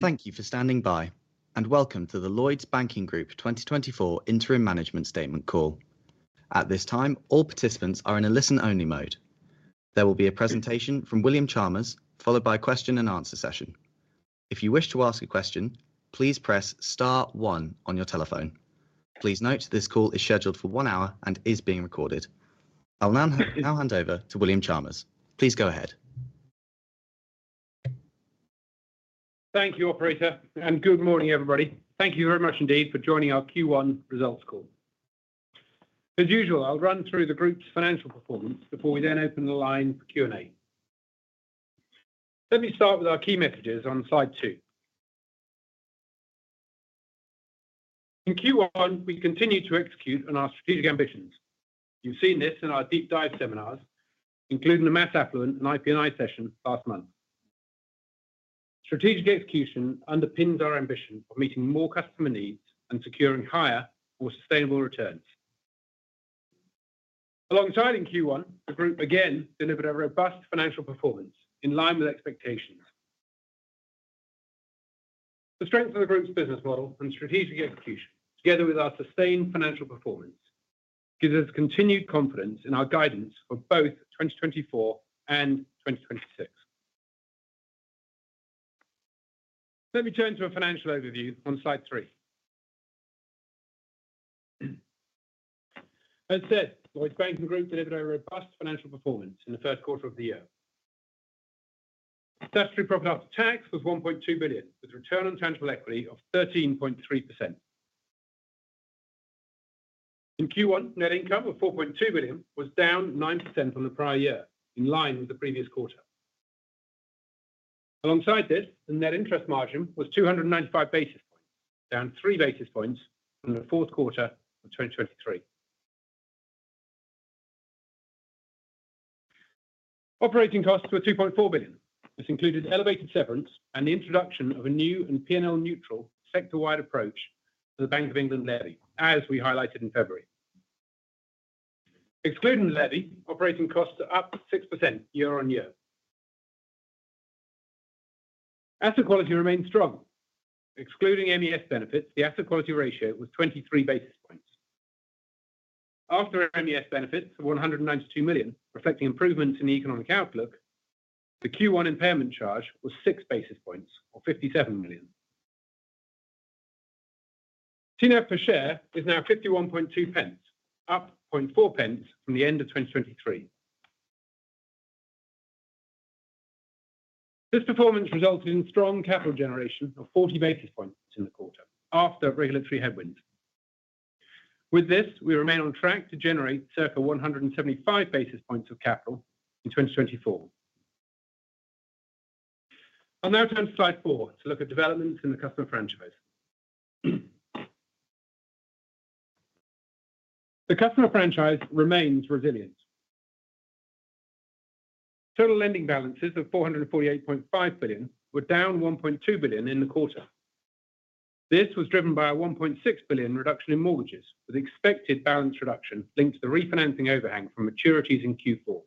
Thank you for standing by, and welcome to the Lloyds Banking Group 2024 interim management statement call. At this time, all participants are in a listen-only mode. There will be a presentation from William Chalmers, followed by a question-and-answer session. If you wish to ask a question, please press STAR 1 on your telephone. Please note this call is scheduled for 1 hour and is being recorded. I'll now hand over to William Chalmers. Please go ahead. Thank you, Operator, and good morning, everybody. Thank you very much indeed for joining our Q1 results call. As usual, I'll run through the group's financial performance before we then open the line for Q&A. Let me start with our key messages on slide 2. In Q1, we continue to execute on our strategic ambitions. You've seen this in our deep dive seminars, including the Mass Affluent and IP&I session last month. Strategic execution underpins our ambition of meeting more customer needs and securing higher or sustainable returns. Alongside in Q1, the group again delivered a robust financial performance in line with expectations. The strength of the group's business model and strategic execution, together with our sustained financial performance, gives us continued confidence in our guidance for both 2024 and 2026. Let me turn to a financial overview on slide 3. As said, Lloyds Banking Group delivered a robust financial performance in the first quarter of the year. Statutory profit after tax was 1.2 billion, with a return on tangible equity of 13.3%. In Q1, net income of 4.2 billion was down 9% on the prior year, in line with the previous quarter. Alongside this, the net interest margin was 295 basis points, down 3 basis points from the fourth quarter of 2023. Operating costs were 2.4 billion. This included elevated severance and the introduction of a new and P&L neutral sector-wide approach to the Bank of England levy, as we highlighted in February. Excluding the levy, operating costs are up 6% year-on-year. Asset quality remained strong. Excluding MES benefits, the asset quality ratio was 23 basis points. After MES benefits of 192 million, reflecting improvements in the economic outlook, the Q1 impairment charge was 6 basis points, or 57 million. TNAV per share is now 51.2 pence, up 0.4 pence from the end of 2023. This performance resulted in strong capital generation of 40 basis points in the quarter after regulatory headwinds. With this, we remain on track to generate circa 175 basis points of capital in 2024. I'll now turn to slide 4 to look at developments in the customer franchise. The customer franchise remains resilient. Total lending balances of 448.5 billion were down 1.2 billion in the quarter. This was driven by a 1.6 billion reduction in mortgages, with expected balance reduction linked to the refinancing overhang from maturities in Q4.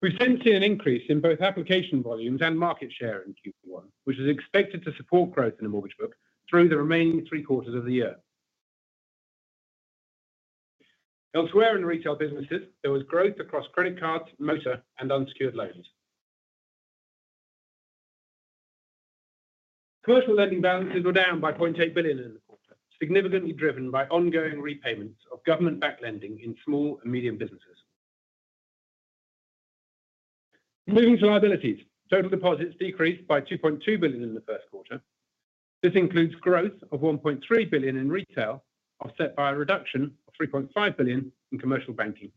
We've since seen an increase in both application volumes and market share in Q1, which is expected to support growth in the mortgage book through the remaining three quarters of the year. Elsewhere in retail businesses, there was growth across credit cards, motor, and unsecured loans. Commercial lending balances were down by 0.8 billion in the quarter, significantly driven by ongoing repayments of government-backed lending in small and medium businesses. Moving to liabilities, total deposits decreased by 2.2 billion in the first quarter. This includes growth of 1.3 billion in retail, offset by a reduction of 3.5 billion in commercial banking.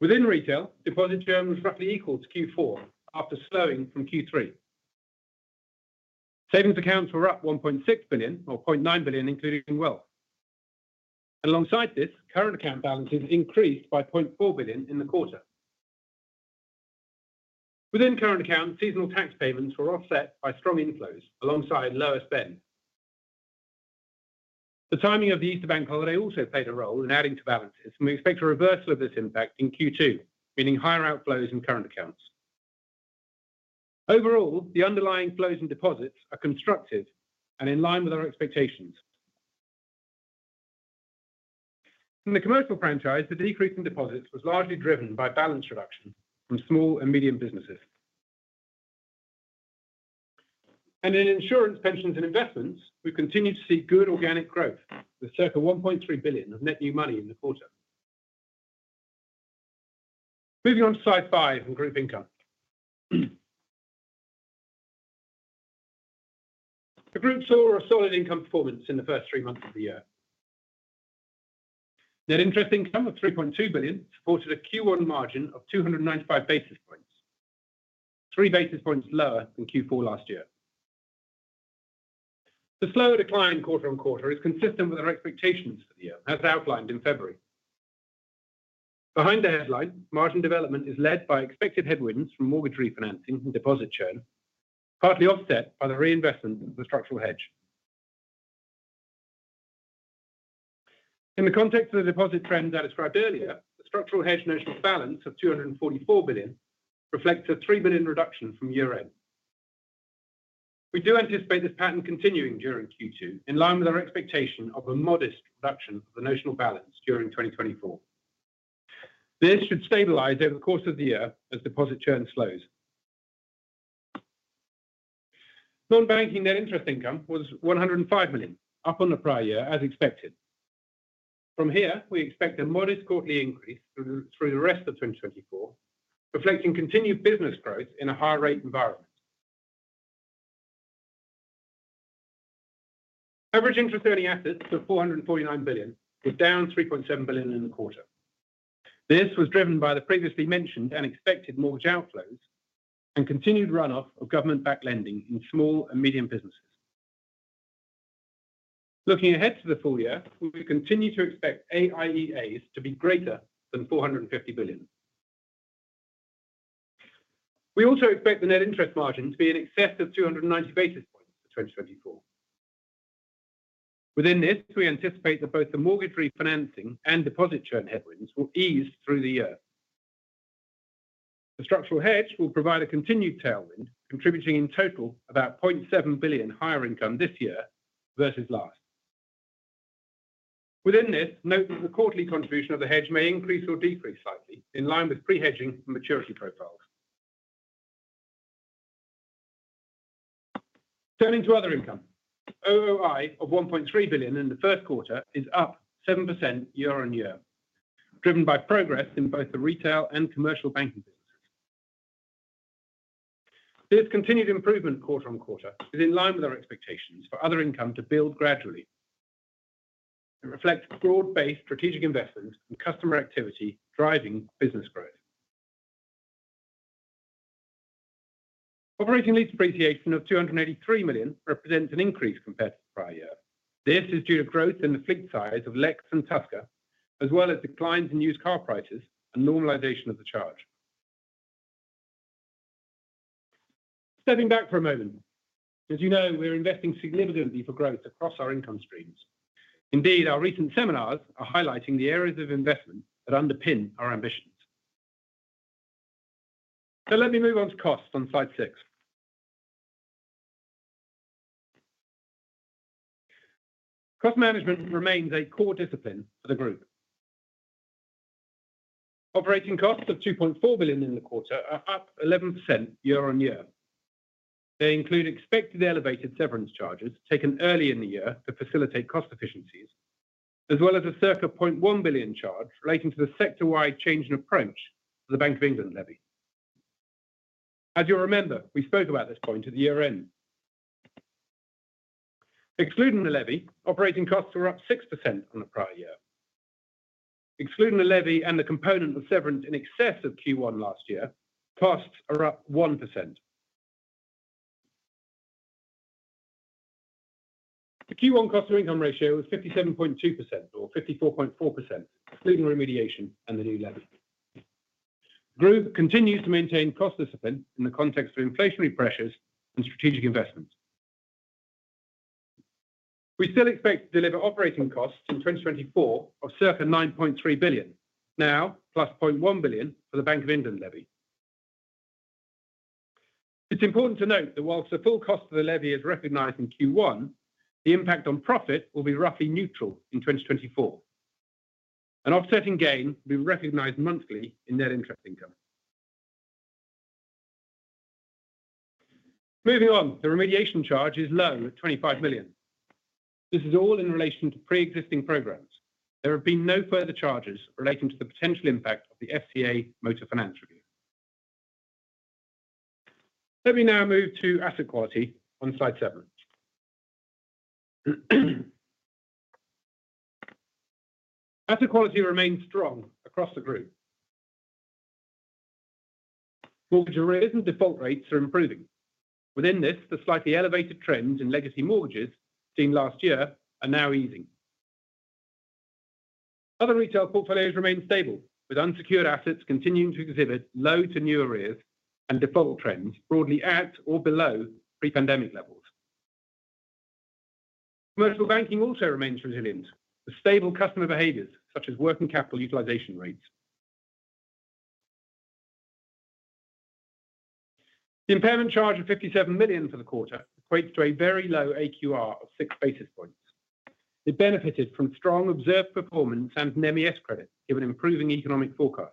Within retail, deposit term was roughly equal to Q4 after slowing from Q3. Savings accounts were up 1.6 billion, or 0.9 billion, including wealth. Alongside this, current account balances increased by 0.4 billion in the quarter. Within current account, seasonal tax payments were offset by strong inflows alongside lower spend. The timing of the Easter Bank holiday also played a role in adding to balances, and we expect a reversal of this impact in Q2, meaning higher outflows in current accounts. Overall, the underlying flows and deposits are constructive and in line with our expectations. In the commercial franchise, the decrease in deposits was largely driven by balance reduction from small and medium businesses. In insurance, pensions, and investments, we've continued to see good organic growth with circa 1.3 billion of net new money in the quarter. Moving on to slide 5 and group income. The group saw a solid income performance in the first three months of the year. Net interest income of 3.2 billion supported a Q1 margin of 295 basis points, 3 basis points lower than Q4 last year. The slower decline quarter-on-quarter is consistent with our expectations for the year, as outlined in February. Behind the headline, margin development is led by expected headwinds from mortgage refinancing and deposit churn, partly offset by the reinvestment of the structural hedge. In the context of the deposit trends I described earlier, the structural hedge national balance of 244 billion reflects a 3 billion reduction from year-end. We do anticipate this pattern continuing during Q2, in line with our expectation of a modest reduction of the national balance during 2024. This should stabilize over the course of the year as deposit churn slows. Non-banking net interest income was 105 million, up on the prior year as expected. From here, we expect a modest quarterly increase through the rest of 2024, reflecting continued business growth in a high-rate environment. Average interest earning assets of 449 billion were down 3.7 billion in the quarter. This was driven by the previously mentioned unexpected mortgage outflows and continued runoff of government-backed lending in small and medium businesses. Looking ahead to the full year, we continue to expect AIEAs to be greater than 450 billion. We also expect the net interest margin to be in excess of 290 basis points for 2024. Within this, we anticipate that both the mortgage refinancing and deposit churn headwinds will ease through the year. The structural hedge will provide a continued tailwind, contributing in total about 0.7 billion higher income this year versus last. Within this, note that the quarterly contribution of the hedge may increase or decrease slightly, in line with pre-hedging and maturity profiles. Turning to other income, OOI of 1.3 billion in the first quarter is up 7% year-on-year, driven by progress in both the retail and commercial banking businesses. This continued improvement quarter-on-quarter is in line with our expectations for other income to build gradually and reflect broad-based strategic investments and customer activity driving business growth. Operating lease depreciation of 283 million represents an increase compared to the prior year. This is due to growth in the fleet size of Lex and Tusker, as well as declines in used car prices and normalization of the charge. Stepping back for a moment. As you know, we're investing significantly for growth across our income streams. Indeed, our recent seminars are highlighting the areas of investment that underpin our ambitions. So let me move on to costs on slide 6. Cost management remains a core discipline for the group. Operating costs of 2.4 billion in the quarter are up 11% year-on-year. They include expected elevated severance charges taken early in the year to facilitate cost efficiencies, as well as a circa 0.1 billion charge relating to the sector-wide change in approach for the Bank of England levy. As you'll remember, we spoke about this point at the year-end. Excluding the levy, operating costs were up 6% on the prior year. Excluding the levy and the component of severance in excess of Q1 last year, costs are up 1%. The Q1 cost to income ratio was 57.2%, or 54.4%, excluding remediation and the new levy. The group continues to maintain cost discipline in the context of inflationary pressures and strategic investments. We still expect to deliver operating costs in 2024 of circa 9.3 billion, now +0.1 billion for the Bank of England levy. It's important to note that while the full cost of the levy is recognized in Q1, the impact on profit will be roughly neutral in 2024, and offsetting gain will be recognized monthly in net interest income. Moving on, the remediation charge is low at 25 million. This is all in relation to pre-existing programs. There have been no further charges relating to the potential impact of the FCA motor finance review. Let me now move to asset quality on Slide 7. Asset quality remains strong across the group. Mortgage arrears and default rates are improving. Within this, the slightly elevated trends in legacy mortgages seen last year are now easing. Other retail portfolios remain stable, with unsecured assets continuing to exhibit low to new arrears and default trends broadly at or below pre-pandemic levels. Commercial banking also remains resilient with stable customer behaviors such as working capital utilization rates. The impairment charge of 57 million for the quarter equates to a very low AQR of 6 basis points. It benefited from strong observed performance and an MES credit given improving economic forecasts.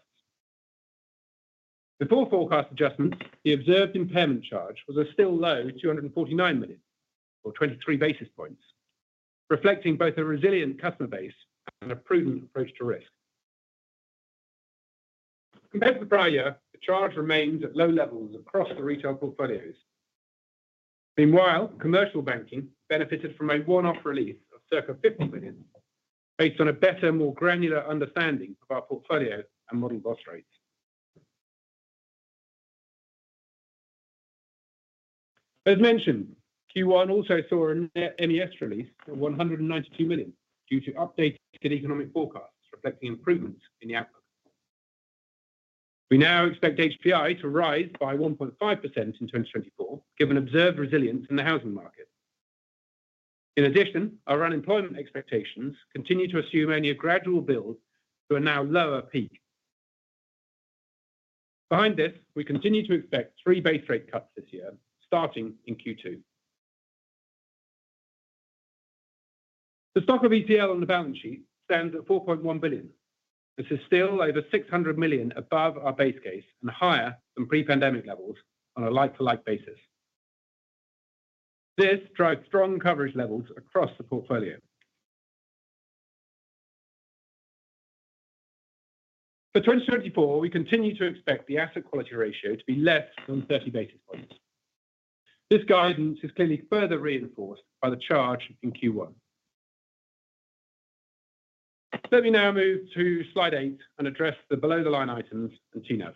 Before forecast adjustments, the observed impairment charge was a still low 249 million, or 23 basis points, reflecting both a resilient customer base and a prudent approach to risk. Compared to the prior year, the charge remains at low levels across the retail portfolios. Meanwhile, commercial banking benefited from a one-off release of circa 50 million based on a better, more granular understanding of our portfolio and model loss rates. As mentioned, Q1 also saw a net MES release of 192 million due to updated economic forecasts reflecting improvements in the outlook. We now expect HPI to rise by 1.5% in 2024, given observed resilience in the housing market. In addition, our unemployment expectations continue to assume only a gradual build to a now lower peak. Behind this, we continue to expect 3 base rate cuts this year, starting in Q2. The stock of ETL on the balance sheet stands at 4.1 billion. This is still over 600 million above our base case and higher than pre-pandemic levels on a like-for-like basis. This drives strong coverage levels across the portfolio. For 2024, we continue to expect the asset quality ratio to be less than 30 basis points. This guidance is clearly further reinforced by the charge in Q1. Let me now move to slide 8 and address the below-the-line items and TNAV.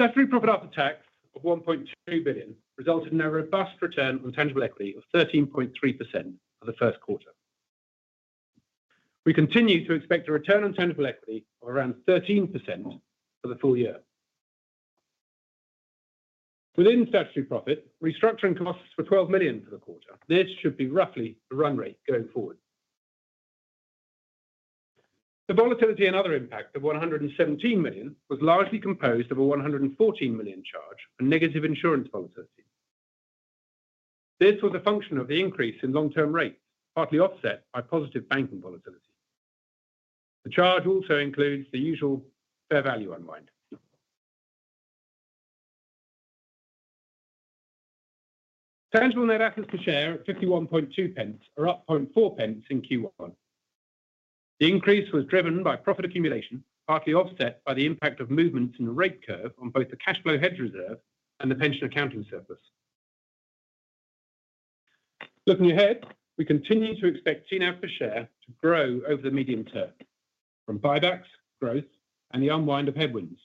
Statutory profit after tax of 1.2 billion resulted in a robust return on tangible equity of 13.3% for the first quarter. We continue to expect a return on tangible equity of around 13% for the full year. Within statutory profit, restructuring costs of 12 million for the quarter. This should be roughly the run rate going forward. The volatility and other impact of 117 million was largely composed of a 114 million charge and negative insurance volatility. This was a function of the increase in long-term rates, partly offset by positive banking volatility. The charge also includes the usual fair value unwind. Tangible net assets per share at 0.512 are up 0.004 in Q1. The increase was driven by profit accumulation, partly offset by the impact of movements in the rate curve on both the cash flow hedge reserve and the pension accounting surplus. Looking ahead, we continue to expect TNAV per share to grow over the medium term from buybacks, growth, and the unwind of headwinds.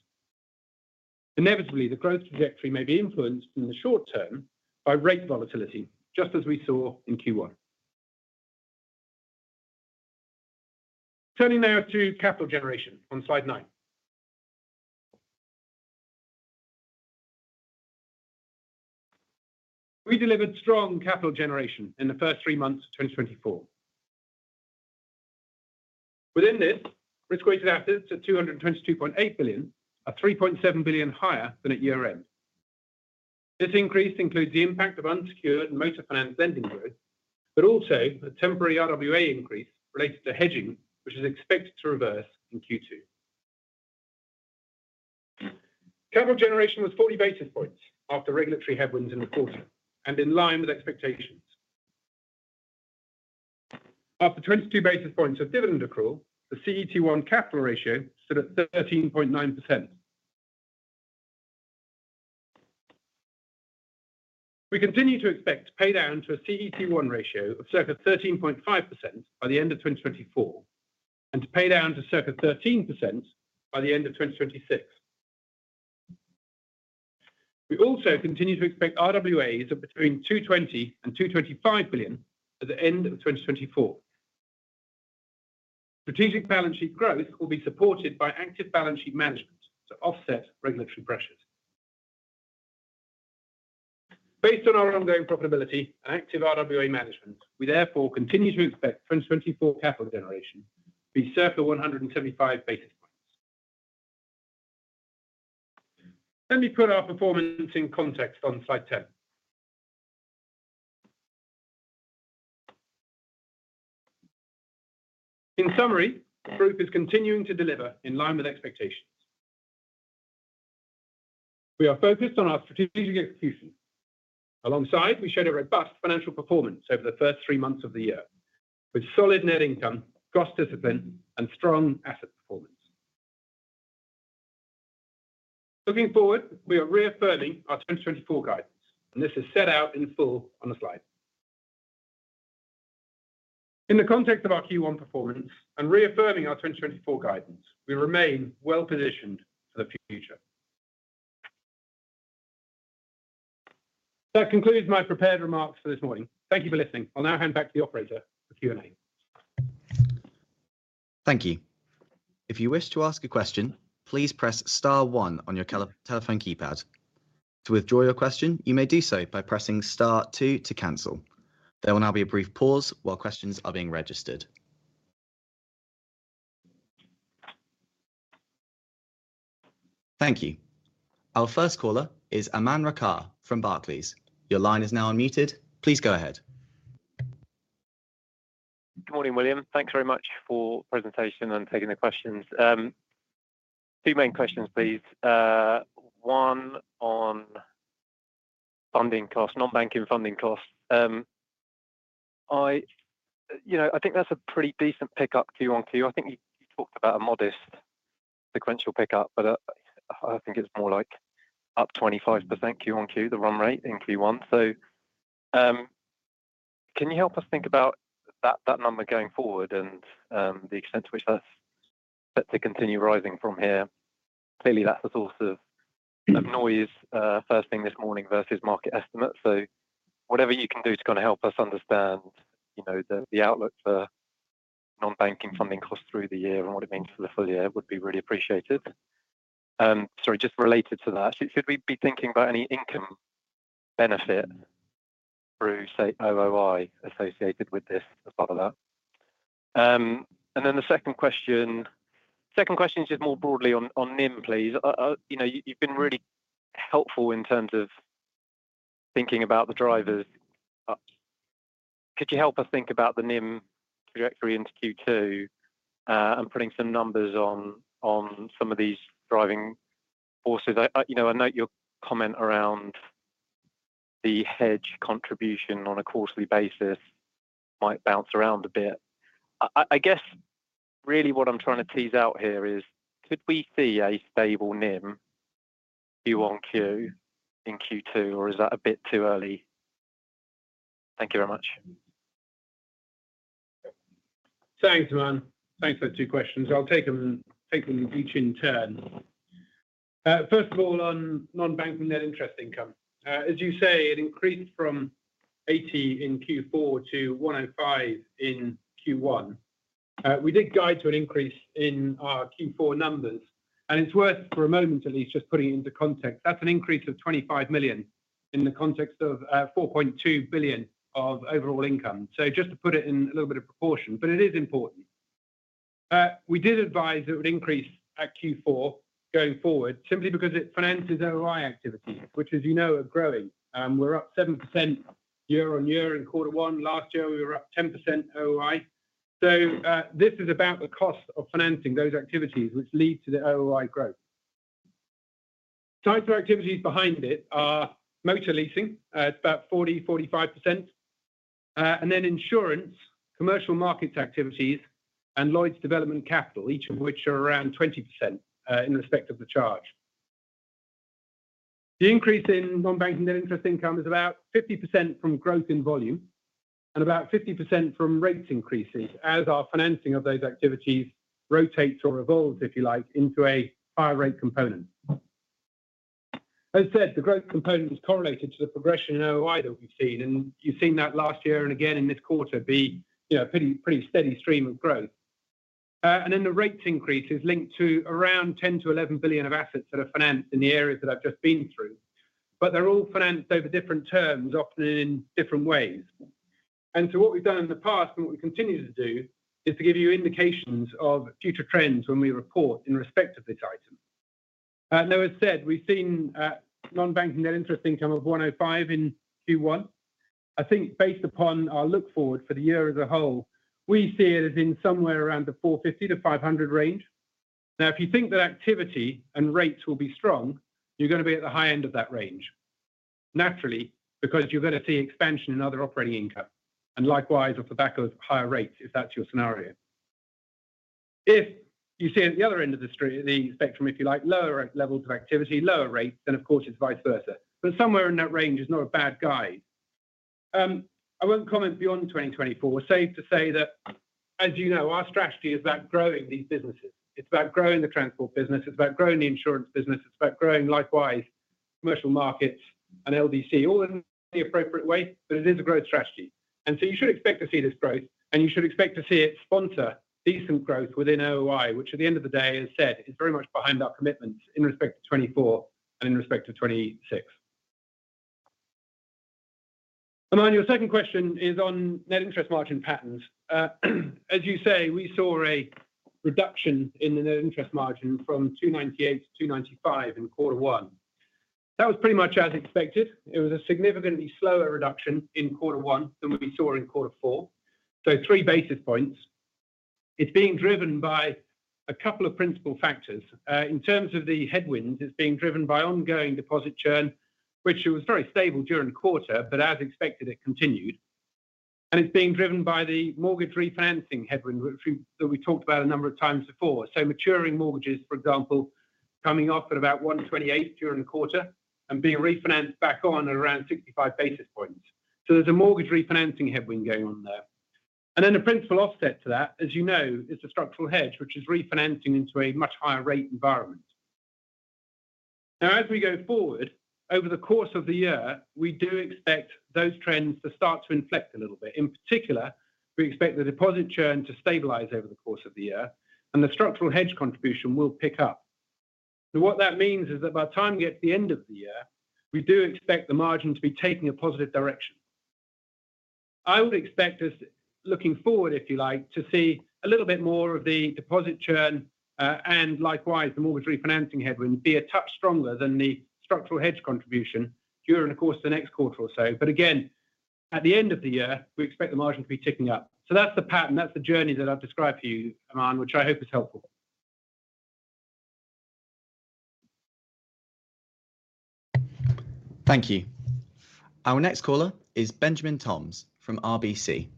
Inevitably, the growth trajectory may be influenced in the short term by rate volatility, just as we saw in Q1. Turning now to capital generation on slide 9. We delivered strong capital generation in the first three months of 2024. Within this, risk-weighted assets at 222.8 billion are 3.7 billion higher than at year-end. This increase includes the impact of unsecured and motor finance lending growth, but also a temporary RWA increase related to hedging, which is expected to reverse in Q2. Capital generation was 40 basis points after regulatory headwinds in the quarter and in line with expectations. After 22 basis points of dividend accrual, the CET1 capital ratio stood at 13.9%. We continue to expect to pay down to a CET1 ratio of circa 13.5% by the end of 2024 and to pay down to circa 13% by the end of 2026. We also continue to expect RWAs of between 220 and 225 million at the end of 2024. Strategic balance sheet growth will be supported by active balance sheet management to offset regulatory pressures. Based on our ongoing profitability and active RWA management, we therefore continue to expect 2024 capital generation to be circa 175 basis points. Let me put our performance in context on slide 10. In summary, the group is continuing to deliver in line with expectations. We are focused on our strategic execution. Alongside, we showed a robust financial performance over the first three months of the year with solid net income, cost discipline, and strong asset performance. Looking forward, we are reaffirming our 2024 guidance, and this is set out in full on the slide. In the context of our Q1 performance and reaffirming our 2024 guidance, we remain well-positioned for the future. That concludes my prepared remarks for this morning. Thank you for listening. I'll now hand back to the operator for Q&A. Thank you. If you wish to ask a question, please press star one on your telephone keypad. To withdraw your question, you may do so by pressing star two to cancel. There will now be a brief pause while questions are being registered. Thank you. Our first caller is Aman Rakkar from Barclays. Your line is now unmuted. Please go ahead. Good morning, William. Thanks very much for the presentation and taking the questions. Two main questions, please. One on funding costs, non-banking funding costs. I think that's a pretty decent pickup Q1Q. I think you talked about a modest sequential pickup, but I think it's more like up 25% Q1Q, the run rate in Q1. So can you help us think about that number going forward and the extent to which that's set to continue rising from here? Clearly, that's a source of noise first thing this morning versus market estimates. So whatever you can do to kind of help us understand the outlook for non-banking funding costs through the year and what it means for the full year would be really appreciated. Sorry, just related to that, should we be thinking about any income benefit through, say, OOI associated with this as part of that? And then the second question is just more broadly on NIM, please. You've been really helpful in terms of thinking about the drivers. Could you help us think about the NIM trajectory into Q2 and putting some numbers on some of these driving forces? I note your comment around the hedge contribution on a quarterly basis might bounce around a bit. I guess really what I'm trying to tease out here is, could we see a stable NIM Q1Q in Q2, or is that a bit too early? Thank you very much. Thanks, Aman. Thanks for the two questions. I'll take them each in turn. First of all, on non-banking net interest income. As you say, it increased from 80 million in Q4 to 105 million in Q1. We did guide to an increase in our Q4 numbers, and it's worth, for a moment at least, just putting it into context. That's an increase of 25 million in the context of 4.2 billion of overall income. So just to put it in a little bit of proportion, but it is important. We did advise that it would increase at Q4 going forward simply because it finances OOI activities, which, as you know, are growing. We're up 7% year-over-year in quarter one. Last year, we were up 10% OOI. So this is about the cost of financing those activities which lead to the OOI growth. Types of activities behind it are motor leasing. It's about 40%-45%. And then insurance, commercial markets activities, and Lloyds Development Capital, each of which are around 20% in respect of the charge. The increase in non-banking net interest income is about 50% from growth in volume and about 50% from rate increases as our financing of those activities rotates or evolves, if you like, into a higher rate component. As said, the growth component is correlated to the progression in OOI that we've seen, and you've seen that last year and again in this quarter be a pretty steady stream of growth. And then the rate increase is linked to around 10 billion-11 billion of assets that are financed in the areas that I've just been through, but they're all financed over different terms, often in different ways. And so what we've done in the past and what we continue to do is to give you indications of future trends when we report in respect of this item. Now, as said, we've seen non-banking net interest income of 105 million in Q1. I think based upon our look forward for the year as a whole, we see it as in somewhere around the 450 million-500 million range. Now, if you think that activity and rates will be strong, you're going to be at the high end of that range, naturally, because you're going to see expansion in other operating income and likewise off the back of higher rates if that's your scenario. If you see it at the other end of the spectrum, if you like, lower levels of activity, lower rates, then of course it's vice versa. But somewhere in that range is not a bad guide. I won't comment beyond 2024. Safe to say that, as you know, our strategy is about growing these businesses. It's about growing the transport business. It's about growing the insurance business. It's about growing, likewise, commercial markets and LDC, all in the appropriate way, but it is a growth strategy. So you should expect to see this growth, and you should expect to see it sponsor decent growth within OOI, which, at the end of the day, as said, is very much behind our commitments in respect to 2024 and in respect to 2026. Aman, your second question is on net interest margin patterns. As you say, we saw a reduction in the net interest margin from 298-295 in quarter one. That was pretty much as expected. It was a significantly slower reduction in quarter one than we saw in quarter four, so three basis points. It's being driven by a couple of principal factors. In terms of the headwinds, it's being driven by ongoing deposit churn, which was very stable during quarter, but as expected, it continued. And it's being driven by the mortgage refinancing headwind, which we talked about a number of times before. So maturing mortgages, for example, coming off at about 128 during quarter and being refinanced back on at around 65 basis points. So there's a mortgage refinancing headwind going on there. And then the principal offset to that, as you know, is the structural hedge, which is refinancing into a much higher rate environment. Now, as we go forward over the course of the year, we do expect those trends to start to inflect a little bit. In particular, we expect the deposit churn to stabilize over the course of the year, and the structural hedge contribution will pick up. Now, what that means is that by the time we get to the end of the year, we do expect the margin to be taking a positive direction. I would expect, looking forward, if you like, to see a little bit more of the deposit churn and likewise the mortgage refinancing headwind be a touch stronger than the structural hedge contribution during, of course, the next quarter or so. But again, at the end of the year, we expect the margin to be ticking up. So that's the pattern. That's the journey that I've described for you, Aman, which I hope is helpful. Thank you. Our next caller is Benjamin Toms from RBC.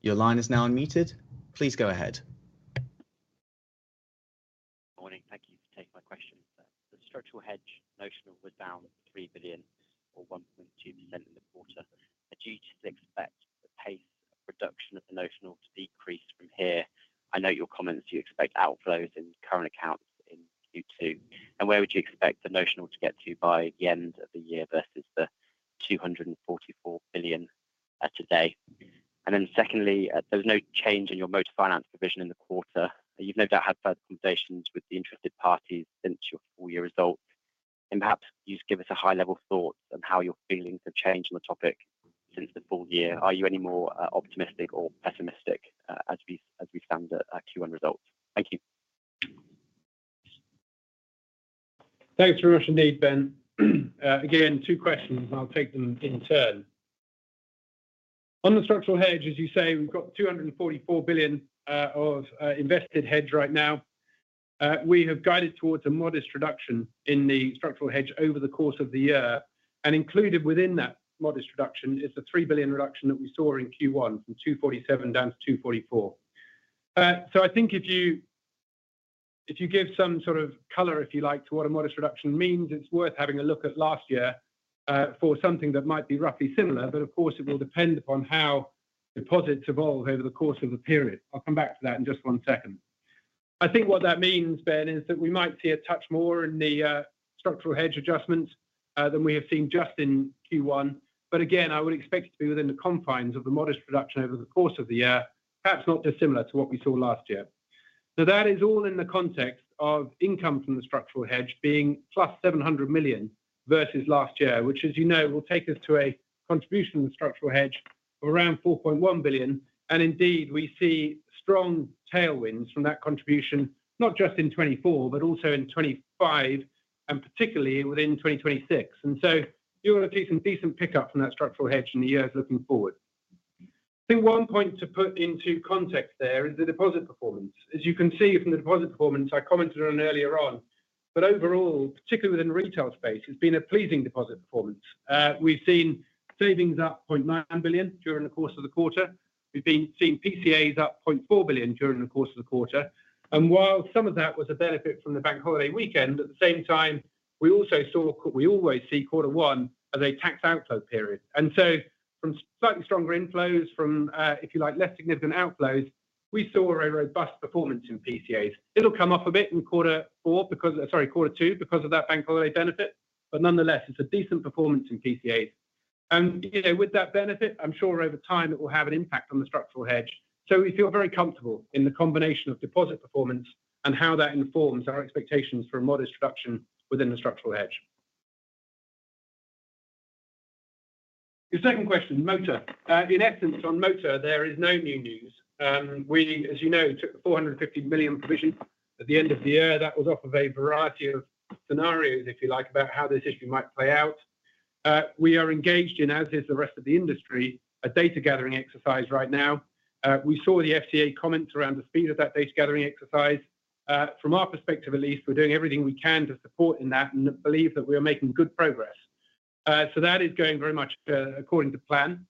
Your line is now unmuted. Please go ahead. Good morning. Thank you for taking my question. The structural hedge notional was down 3 billion or 1.2% in the quarter. Are you to expect the pace of reduction of the notional to decrease from here? I note your comments. You expect outflows in current accounts in Q2. Where would you expect the notional to get to by the end of the year versus the 244 billion today? And then secondly, there's no change in your motor finance provision in the quarter. You've no doubt had further conversations with the interested parties since your full-year result. And perhaps you could give us a high-level thought on how your feelings have changed on the topic since the full year. Are you any more optimistic or pessimistic as we stand at Q1 results? Thank you. Thanks very much indeed, Ben. Again, two questions, and I'll take them in turn. On the structural hedge, as you say, we've got 244 billion of invested hedge right now. We have guided towards a modest reduction in the structural hedge over the course of the year. Included within that modest reduction is the 3 billion reduction that we saw in Q1 from 247 billion down to 244 billion. So I think if you give some sort of color, if you like, to what a modest reduction means, it's worth having a look at last year for something that might be roughly similar. But of course, it will depend upon how deposits evolve over the course of the period. I'll come back to that in just one second. I think what that means, Ben, is that we might see a touch more in the structural hedge adjustments than we have seen just in Q1. But again, I would expect it to be within the confines of the modest reduction over the course of the year, perhaps not dissimilar to what we saw last year. Now, that is all in the context of income from the structural hedge being plus 700 million versus last year, which, as you know, will take us to a contribution in the structural hedge of around 4.1 billion. And indeed, we see strong tailwinds from that contribution not just in 2024 but also in 2025 and particularly within 2026. And so you're going to see some decent pickup from that structural hedge in the years looking forward. I think one point to put into context there is the deposit performance. As you can see from the deposit performance, I commented on earlier on, but overall, particularly within the retail space, it's been a pleasing deposit performance. We've seen savings up 0.9 billion during the course of the quarter. We've been seeing PCAs up 0.4 billion during the course of the quarter. While some of that was a benefit from the bank holiday weekend, at the same time, we also saw what we always see: quarter one as a tax outflow period. So from slightly stronger inflows, from, if you like, less significant outflows, we saw a robust performance in PCAs. It'll come off a bit in quarter four because of, sorry, quarter two because of that bank holiday benefit. But nonetheless, it's a decent performance in PCAs. And with that benefit, I'm sure over time it will have an impact on the structural hedge. So we feel very comfortable in the combination of deposit performance and how that informs our expectations for a modest reduction within the structural hedge. Your second question, motor. In essence, on motor, there is no new news. We, as you know, took the 450 million provision at the end of the year. That was off of a variety of scenarios, if you like, about how this issue might play out. We are engaged in, as is the rest of the industry, a data gathering exercise right now. We saw the FCA comments around the speed of that data gathering exercise. From our perspective, at least, we're doing everything we can to support in that and believe that we are making good progress. So that is going very much according to plan.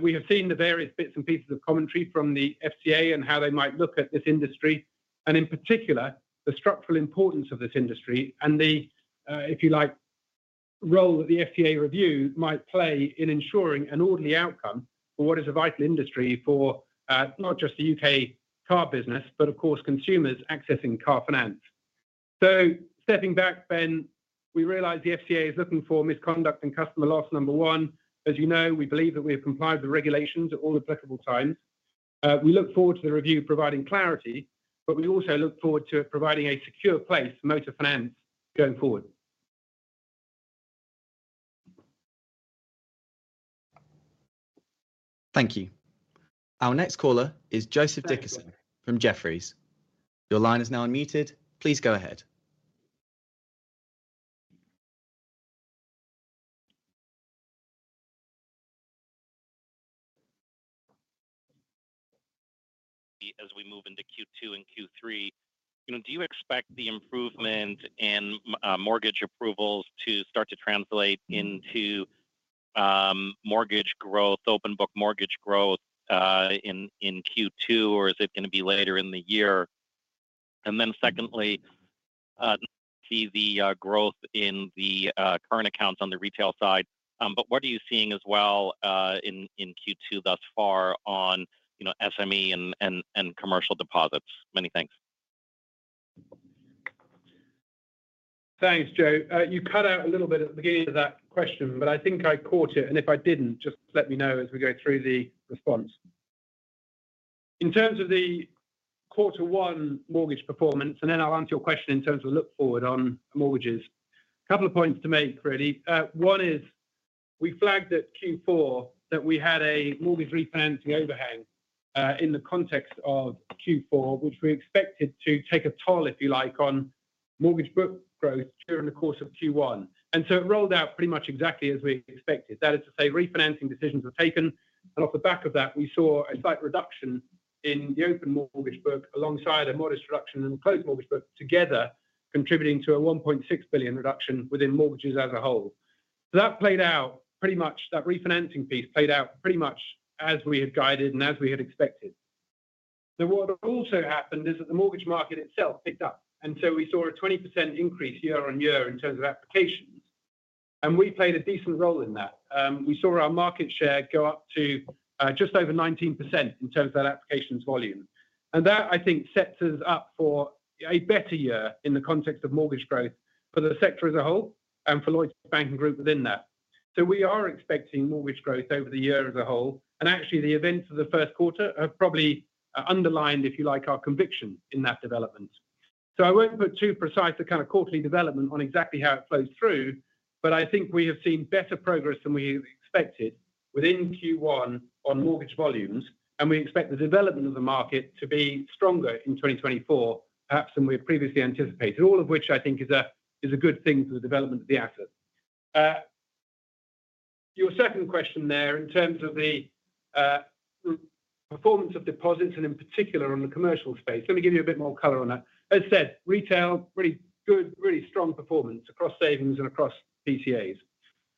We have seen the various bits and pieces of commentary from the FCA and how they might look at this industry and, in particular, the structural importance of this industry and the, if you like, role that the FCA review might play in ensuring an orderly outcome for what is a vital industry for not just the UK car business but, of course, consumers accessing car finance. So stepping back, Ben, we realize the FCA is looking for misconduct and customer loss, number one. As you know, we believe that we have complied with the regulations at all applicable times. We look forward to the review providing clarity, but we also look forward to it providing a secure place for motor finance going forward. Thank you. Our next caller is Joseph Dickerson from Jefferies. Your line is now unmuted. Please go ahead. As we move into Q2 and Q3, do you expect the improvement in mortgage approvals to start to translate into mortgage growth, open-book mortgage growth in Q2, or is it going to be later in the year? And then secondly, see the growth in the current accounts on the retail side. But what are you seeing as well in Q2 thus far on SME and commercial deposits? Many thanks. Thanks, Joe. You cut out a little bit at the beginning of that question, but I think I caught it. If I didn't, just let me know as we go through the response. In terms of the quarter one mortgage performance - and then I'll answer your question in terms of the look forward on mortgages - a couple of points to make, really. One is we flagged at Q4 that we had a mortgage refinancing overhang in the context of Q4, which we expected to take a toll, if you like, on mortgage book growth during the course of Q1. So it rolled out pretty much exactly as we expected. That is to say, refinancing decisions were taken. Off the back of that, we saw a slight reduction in the open mortgage book alongside a modest reduction in the closed mortgage book together, contributing to a 1.6 billion reduction within mortgages as a whole. That played out pretty much that refinancing piece played out pretty much as we had guided and as we had expected. Now, what also happened is that the mortgage market itself picked up. So we saw a 20% increase year-on-year in terms of applications. We played a decent role in that. We saw our market share go up to just over 19% in terms of that applications volume. That, I think, sets us up for a better year in the context of mortgage growth for the sector as a whole and for Lloyds Banking Group within that. So we are expecting mortgage growth over the year as a whole. And actually, the events of the first quarter have probably underlined, if you like, our conviction in that development. So I won't put too precise the kind of quarterly development on exactly how it flows through, but I think we have seen better progress than we had expected within Q1 on mortgage volumes. And we expect the development of the market to be stronger in 2024, perhaps than we had previously anticipated, all of which I think is a good thing for the development of the asset. Your second question there in terms of the performance of deposits and in particular on the commercial space - let me give you a bit more color on that - as said, retail, really good, really strong performance across savings and across PCAs.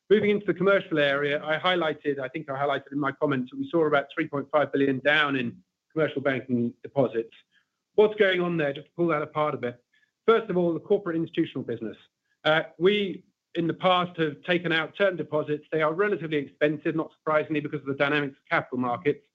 Moving into the commercial area, I highlighted I think I highlighted in my comments that we saw about 3.5 billion down in commercial banking deposits. What's going on there? Just to pull that apart a bit. First of all, the corporate institutional business. We, in the past, have taken out term deposits. They are relatively expensive, not surprisingly, because of the dynamics of capital markets.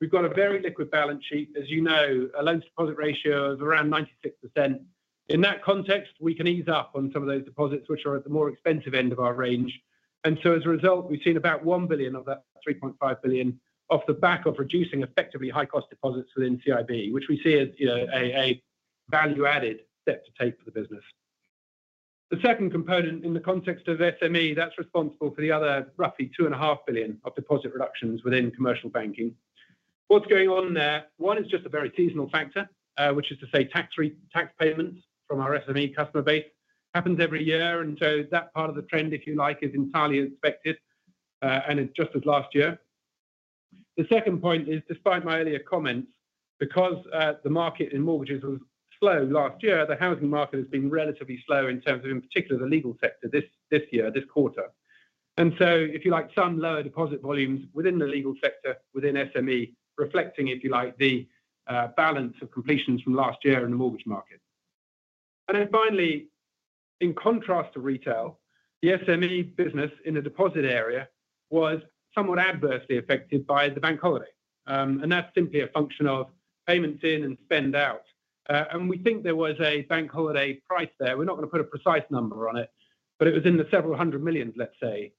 We've got a very liquid balance sheet. As you know, a loans-to-deposit ratio of around 96%. In that context, we can ease up on some of those deposits, which are at the more expensive end of our range. And so as a result, we've seen about 1 billion of that 3.5 billion off the back of reducing effectively high-cost deposits within CIB, which we see as a value-added step to take for the business. The second component in the context of SME, that's responsible for the other roughly 2.5 billion of deposit reductions within commercial banking. What's going on there? One, it's just a very seasonal factor, which is to say tax payments from our SME customer base happens every year. And so that part of the trend, if you like, is entirely unexpected and just as last year. The second point is, despite my earlier comments, because the market in mortgages was slow last year, the housing market has been relatively slow in terms of, in particular, the legal sector this year, this quarter. And so if you like, some lower deposit volumes within the legal sector, within SME, reflecting, if you like, the balance of completions from last year in the mortgage market. And then finally, in contrast to retail, the SME business in the deposit area was somewhat adversely affected by the bank holiday. And that's simply a function of payments in and spend out. And we think there was a bank holiday price there. We're not going to put a precise number on it, but it was in the GBP several hundred millions, let's say,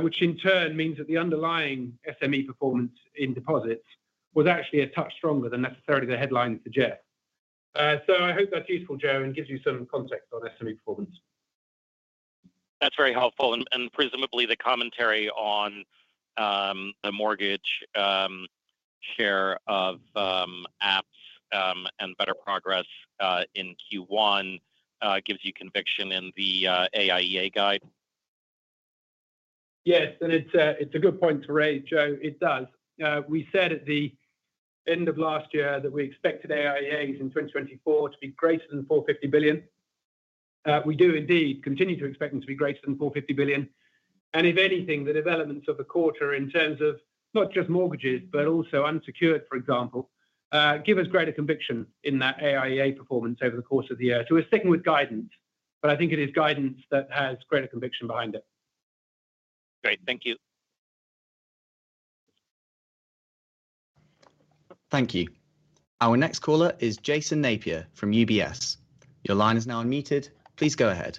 which in turn means that the underlying SME performance in deposits was actually a touch stronger than necessarily the headlines suggest. So I hope that's useful, Joe, and gives you some context on SME performance. That's very helpful. And presumably, the commentary on the mortgage share of apps and better progress in Q1 gives you conviction in the AIEA guide? Yes. And it's a good point to raise, Joe. It does. We said at the end of last year that we expected AIEAs in 2024 to be greater than 450 billion. We do indeed continue to expect them to be greater than 450 billion. And if anything, the developments of the quarter in terms of not just mortgages but also unsecured, for example, give us greater conviction in that AIEA performance over the course of the year. So we're sticking with guidance, but I think it is guidance that has greater conviction behind it. Great. Thank you. Thank you. Our next caller is Jason Napier from UBS. Your line is now unmuted. Please go ahead.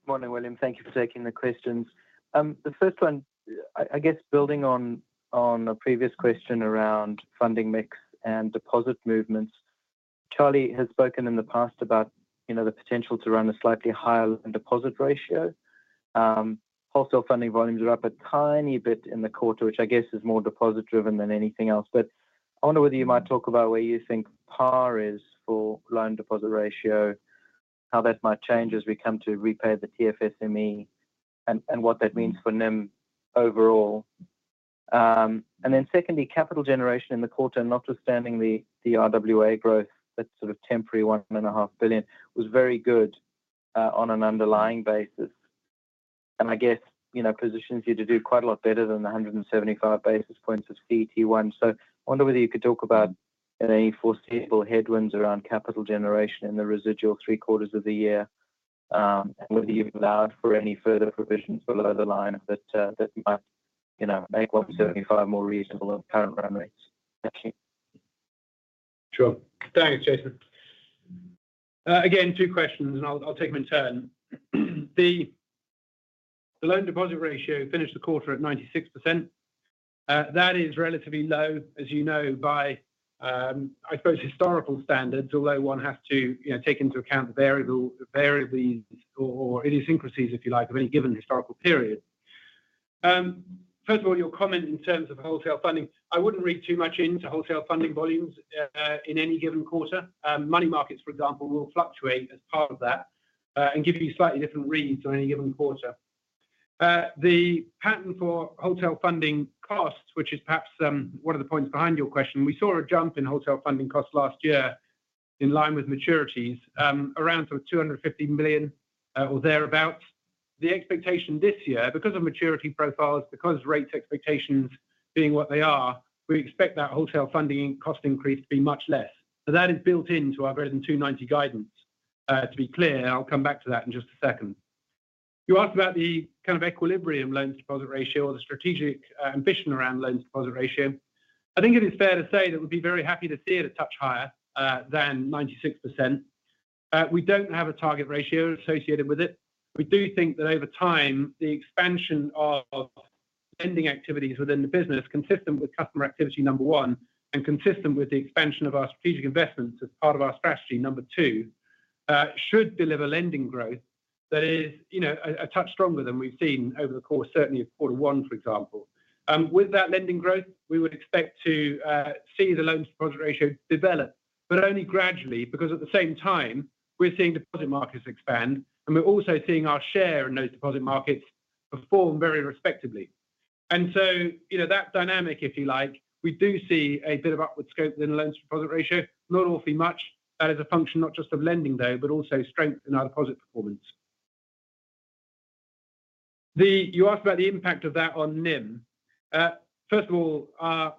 Good morning, William. Thank you for taking the questions. The first one, I guess, building on a previous question around funding mix and deposit movements, Charlie has spoken in the past about the potential to run a slightly higher loan deposit ratio. Wholesale funding volumes are up a tiny bit in the quarter, which I guess is more deposit-driven than anything else. But I wonder whether you might talk about where you think par is for loan deposit ratio, how that might change as we come to repay the TFSME, and what that means for NIM overall. And then secondly, capital generation in the quarter, notwithstanding the RWA growth, that sort of temporary 1.5 billion, was very good on an underlying basis and I guess positions you to do quite a lot better than the 175 basis points of CET1. So I wonder whether you could talk about any foreseeable headwinds around capital generation in the residual three-quarters of the year and whether you've allowed for any further provisions below the line that might make 175 more reasonable of current run rates. Thank you. Sure. Thanks, Jason. Again, two questions, and I'll take them in turn. The loan deposit ratio finished the quarter at 96%. That is relatively low, as you know, by, I suppose, historical standards, although one has to take into account the variables or idiosyncrasies, if you like, of any given historical period. First of all, your comment in terms of wholesale funding. I wouldn't read too much into wholesale funding volumes in any given quarter. Money markets, for example, will fluctuate as part of that and give you slightly different reads on any given quarter. The pattern for wholesale funding costs, which is perhaps one of the points behind your question, we saw a jump in wholesale funding costs last year in line with maturities around sort of 250 million or thereabouts. The expectation this year, because of maturity profiles, because rate expectations being what they are, we expect that wholesale funding cost increase to be much less. Now, that is built into our greater than 290 guidance. To be clear, I'll come back to that in just a second. You asked about the kind of equilibrium loans-to-deposit ratio or the strategic ambition around loans-to-deposit ratio. I think it is fair to say that we'd be very happy to see it a touch higher than 96%. We don't have a target ratio associated with it. We do think that over time, the expansion of lending activities within the business, consistent with customer activity, number one, and consistent with the expansion of our strategic investments as part of our strategy, number two, should deliver lending growth that is a touch stronger than we've seen over the course, certainly of quarter one, for example. With that lending growth, we would expect to see the loans-to-deposit ratio develop but only gradually because at the same time, we're seeing deposit markets expand, and we're also seeing our share in those deposit markets perform very respectably. And so that dynamic, if you like, we do see a bit of upward scope within the loans-to-deposit ratio, not awfully much. That is a function not just of lending, though, but also strength in our deposit performance. You asked about the impact of that on NIM. First of all, our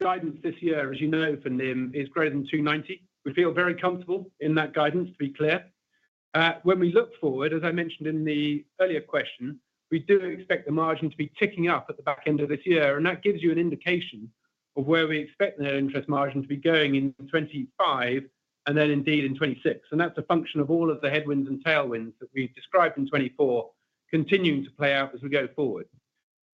guidance this year, as you know, for NIM is greater than 290. We feel very comfortable in that guidance, to be clear. When we look forward, as I mentioned in the earlier question, we do expect the margin to be ticking up at the back end of this year. That gives you an indication of where we expect the net interest margin to be going in 2025 and then indeed in 2026. And that's a function of all of the headwinds and tailwinds that we've described in 2024 continuing to play out as we go forward.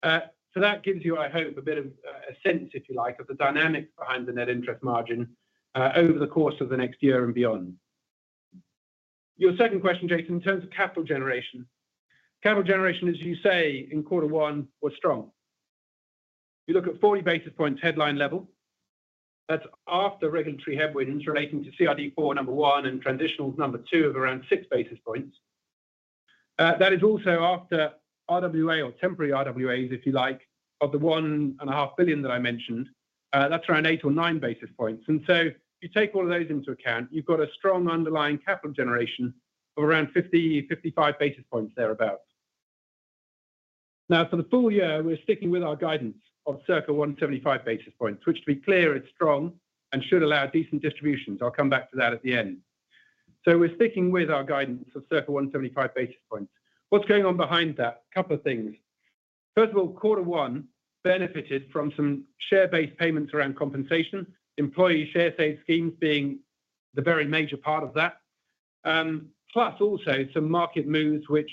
So that gives you, I hope, a bit of a sense, if you like, of the dynamics behind the net interest margin over the course of the next year and beyond. Your second question, Jason, in terms of capital generation. Capital generation, as you say, in quarter one was strong. You look at 40 basis points headline level. That's after regulatory headwinds relating to CRD4 number one and transitionals number two of around six basis points. That is also after RWA or temporary RWAs, if you like, of the 1.5 billion that I mentioned. That's around eight or nine basis points. And so if you take all of those into account, you've got a strong underlying capital generation of around 50-55 basis points thereabouts. Now, for the full year, we're sticking with our guidance of circa 175 basis points, which, to be clear, is strong and should allow decent distributions. I'll come back to that at the end. So we're sticking with our guidance of circa 175 basis points. What's going on behind that? A couple of things. First of all, quarter one benefited from some share-based payments around compensation, employee share-save schemes being the very major part of that, plus also some market moves which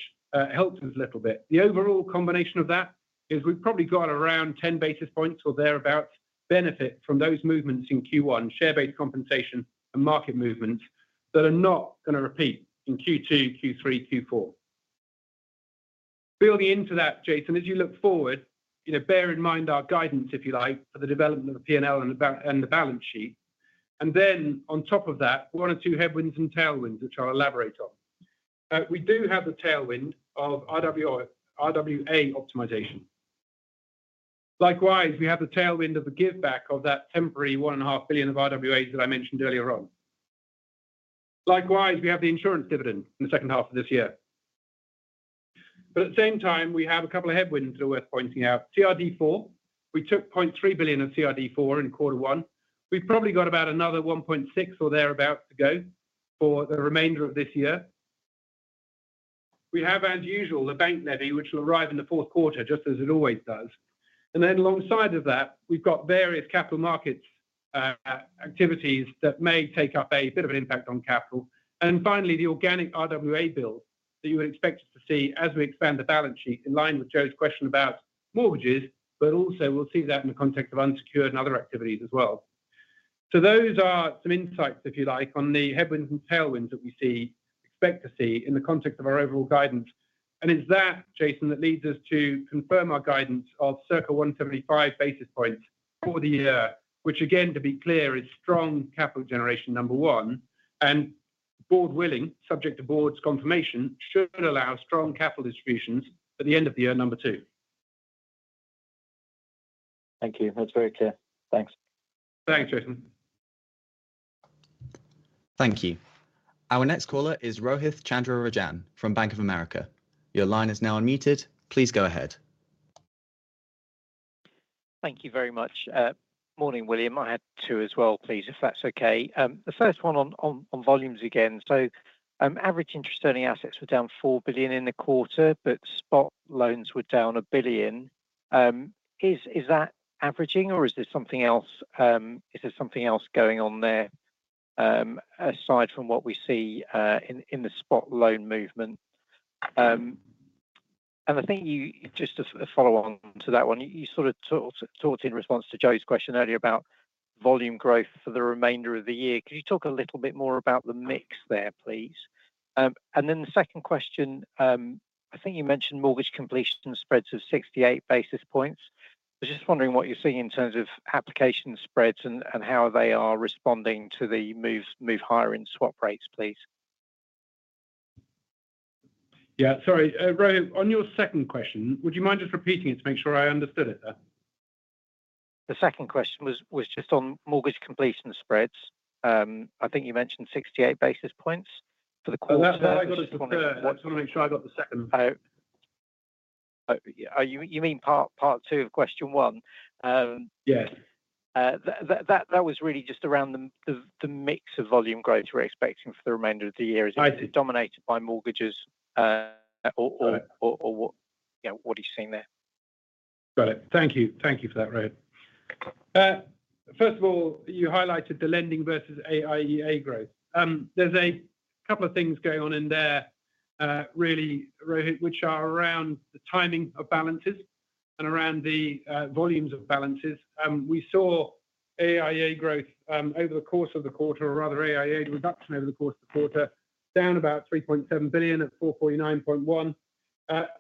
helped us a little bit. The overall combination of that is we've probably got around 10 basis points or thereabouts benefit from those movements in Q1, share-based compensation and market movements that are not going to repeat in Q2, Q3, Q4. Building into that, Jason, as you look forward, bear in mind our guidance, if you like, for the development of the P&L and the balance sheet. And then on top of that, one or two headwinds and tailwinds which I'll elaborate on. We do have the tailwind of RWA optimization. Likewise, we have the tailwind of the give-back of that temporary 1.5 billion of RWAs that I mentioned earlier on. Likewise, we have the insurance dividend in the second half of this year. But at the same time, we have a couple of headwinds that are worth pointing out. CRD4, we took 0.3 billion of CRD4 in quarter one. We've probably got about another 1.6 billion or thereabouts to go for the remainder of this year. We have, as usual, the bank levy, which will arrive in the fourth quarter just as it always does. And then alongside of that, we've got various capital markets activities that may take up a bit of an impact on capital. And then finally, the organic RWA bill that you would expect us to see as we expand the balance sheet in line with Joe's question about mortgages, but also we'll see that in the context of unsecured and other activities as well. So those are some insights, if you like, on the headwinds and tailwinds that we see expect to see in the context of our overall guidance. And it's that, Jason, that leads us to confirm our guidance of circa 175 basis points for the year, which, again, to be clear, is strong capital generation, number one. And board-willing, subject to board's confirmation, should allow strong capital distributions at the end of the year, number two. Thank you. That's very clear. Thanks. Thanks, Jason. Thank you. Our next caller is Rohith Chandra-Rajan from Bank of America. Your line is now unmuted. Please go ahead. Thank you very much. Morning, William. I had two as well, please, if that's okay. The first one on volumes again. So average interest-earning assets were down 4 billion in the quarter, but spot loans were down 1 billion. Is that averaging, or is there something else going on there aside from what we see in the spot loan movement? And I think just to follow on to that one, you sort of talked in response to Joe's question earlier about volume growth for the remainder of the year. Could you talk a little bit more about the mix there, please? And then the second question, I think you mentioned mortgage completion spreads of 68 basis points. I was just wondering what you're seeing in terms of application spreads and how they are responding to the move higher in swap rates, please. Yeah. Sorry. Rohit, on your second question, would you mind just repeating it to make sure I understood it there? The second question was just on mortgage completion spreads. I think you mentioned 68 basis points for the quarter. I just wanted to make sure I got the second. You mean part two of question one? Yes. That was really just around the mix of volume growth we're expecting for the remainder of the year. Is it dominated by mortgages, or what are you seeing there? Got it. Thank you. Thank you for that, Rohit. First of all, you highlighted the lending versus AIEA growth. There's a couple of things going on in there, really, Rohith, which are around the timing of balances and around the volumes of balances. We saw AIEA growth over the course of the quarter, or rather, AIEA reduction over the course of the quarter, down about 3.7 billion at 449.1 billion.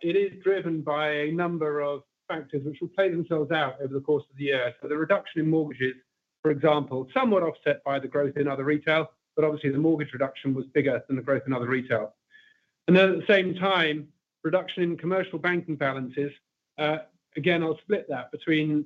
It is driven by a number of factors which will play themselves out over the course of the year. So the reduction in mortgages, for example, somewhat offset by the growth in other retail, but obviously, the mortgage reduction was bigger than the growth in other retail. And then at the same time, reduction in commercial banking balances. Again, I'll split that between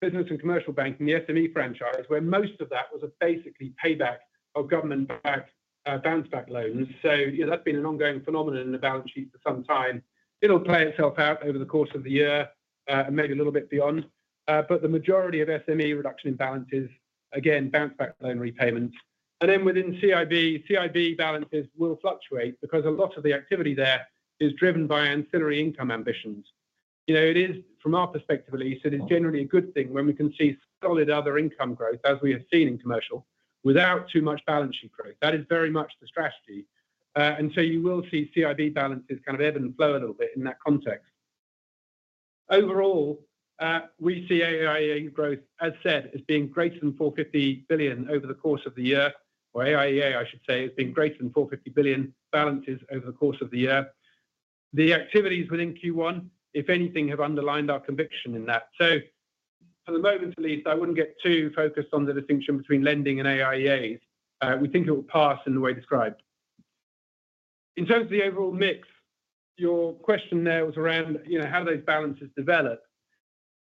business and commercial banking, the SME franchise, where most of that was basically payback of government-backed bounce-back loans. So that's been an ongoing phenomenon in the balance sheet for some time. It'll play itself out over the course of the year and maybe a little bit beyond. But the majority of SME reduction in balances, again, bounce-back loan repayments. And then within CIB, CIB balances will fluctuate because a lot of the activity there is driven by ancillary income ambitions. It is, from our perspective, at least, it is generally a good thing when we can see solid other income growth, as we have seen in commercial, without too much balance sheet growth. That is very much the strategy. And so you will see CIB balances kind of ebb and flow a little bit in that context. Overall, we see AIEA growth, as said, as being greater than 450 billion over the course of the year, or AIEA, I should say, as being greater than 450 billion balances over the course of the year. The activities within Q1, if anything, have underlined our conviction in that. So for the moment, at least, I wouldn't get too focused on the distinction between lending and AIEAs. We think it will pass in the way described. In terms of the overall mix, your question there was around how do those balances develop.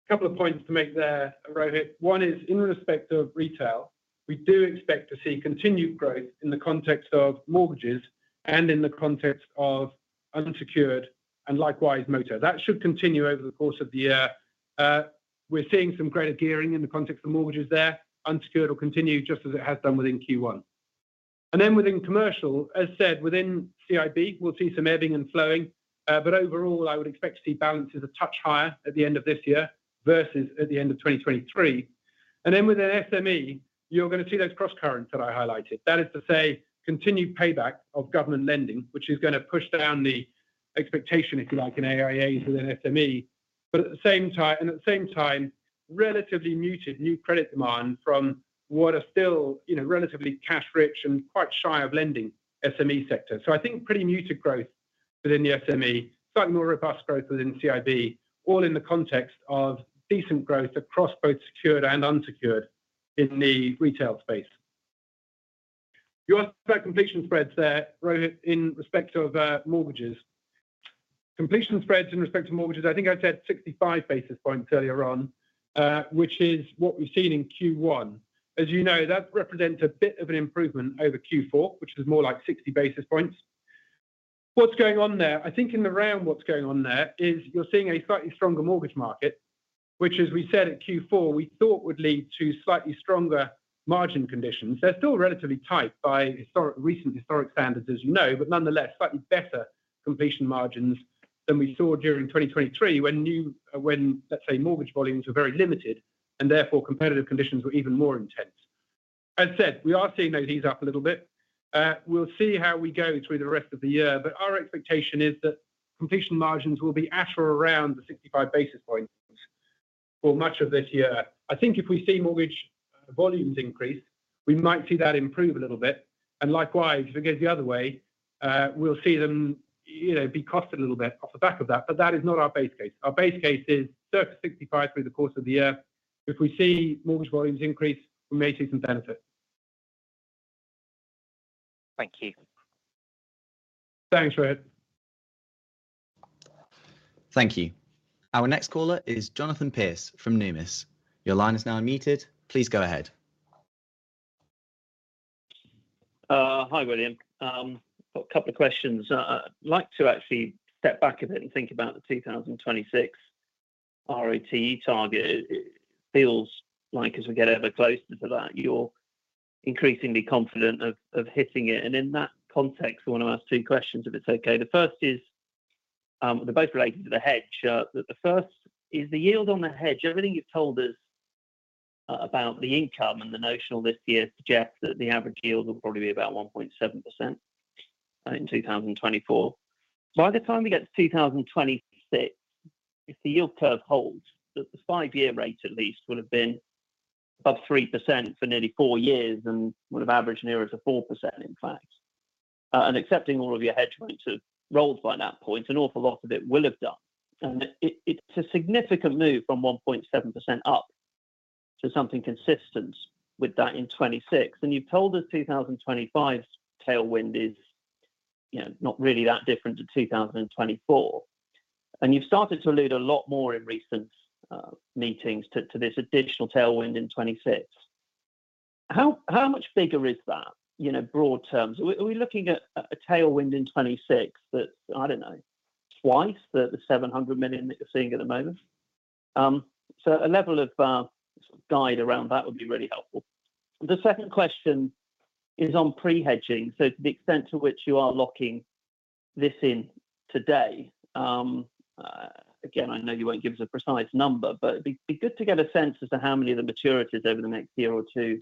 A couple of points to make there, Rohit. One is, in respect of retail, we do expect to see continued growth in the context of mortgages and in the context of unsecured and likewise motor. That should continue over the course of the year. We're seeing some greater gearing in the context of mortgages there. Unsecured will continue just as it has done within Q1. And then within commercial, as said, within CIB, we'll see some ebbing and flowing. But overall, I would expect to see balances a touch higher at the end of this year versus at the end of 2023. And then within SME, you're going to see those cross-currents that I highlighted. That is to say, continued payback of government lending, which is going to push down the expectation, if you like, in AIEAs within SME. But at the same time and at the same time, relatively muted new credit demand from what are still relatively cash-rich and quite shy of lending SME sector. So I think pretty muted growth within the SME, slightly more robust growth within CIB, all in the context of decent growth across both secured and unsecured in the retail space. You asked about completion spreads there, Rohit, in respect of mortgages. Completion spreads in respect to mortgages, I think I said 65 basis points earlier on, which is what we've seen in Q1. As you know, that represents a bit of an improvement over Q4, which is more like 60 basis points. What's going on there? I think in the round, what's going on there is you're seeing a slightly stronger mortgage market, which, as we said at Q4, we thought would lead to slightly stronger margin conditions. They're still relatively tight by recent historic standards, as you know, but nonetheless, slightly better completion margins than we saw during 2023 when, let's say, mortgage volumes were very limited and therefore competitive conditions were even more intense. As said, we are seeing those ease up a little bit. We'll see how we go through the rest of the year. But our expectation is that completion margins will be at or around the 65 basis points for much of this year. I think if we see mortgage volumes increase, we might see that improve a little bit. And likewise, if it goes the other way, we'll see them be cost a little bit off the back of that. But that is not our base case. Our base case is circa 65 through the course of the year. If we see mortgage volumes increase, we may see some benefit. Thank you. Thanks, Rohit. Thank you. Our next caller is Jonathan Pierce from Numis. Your line is now unmuted. Please go ahead. Hi, William. I've got a couple of questions. I'd like to actually step back a bit and think about the 2026 ROTE target. It feels like, as we get ever closer to that, you're increasingly confident of hitting it. In that context, I want to ask two questions, if it's okay. The first is they're both related to the hedge. The first is the yield on the hedge. Everything you've told us about the income and the notional this year suggests that the average yield will probably be about 1.7% in 2024. By the time we get to 2026, if the yield curve holds, the five-year rate, at least, would have been above 3% for nearly four years and would have averaged nearer to 4%, in fact. And accepting all of your hedge points have rolled by that point, an awful lot of it will have done. It's a significant move from 1.7% up to something consistent with that in 2026. You've told us 2025's tailwind is not really that different to 2024. And you've started to allude a lot more in recent meetings to this additional tailwind in 2026. How much bigger is that, broad terms? Are we looking at a tailwind in 2026 that's, I don't know, twice the 700 million that you're seeing at the moment? So a level of guide around that would be really helpful. The second question is on pre-hedging. So to the extent to which you are locking this in today, again, I know you won't give us a precise number, but it'd be good to get a sense as to how many of the maturities over the next year or two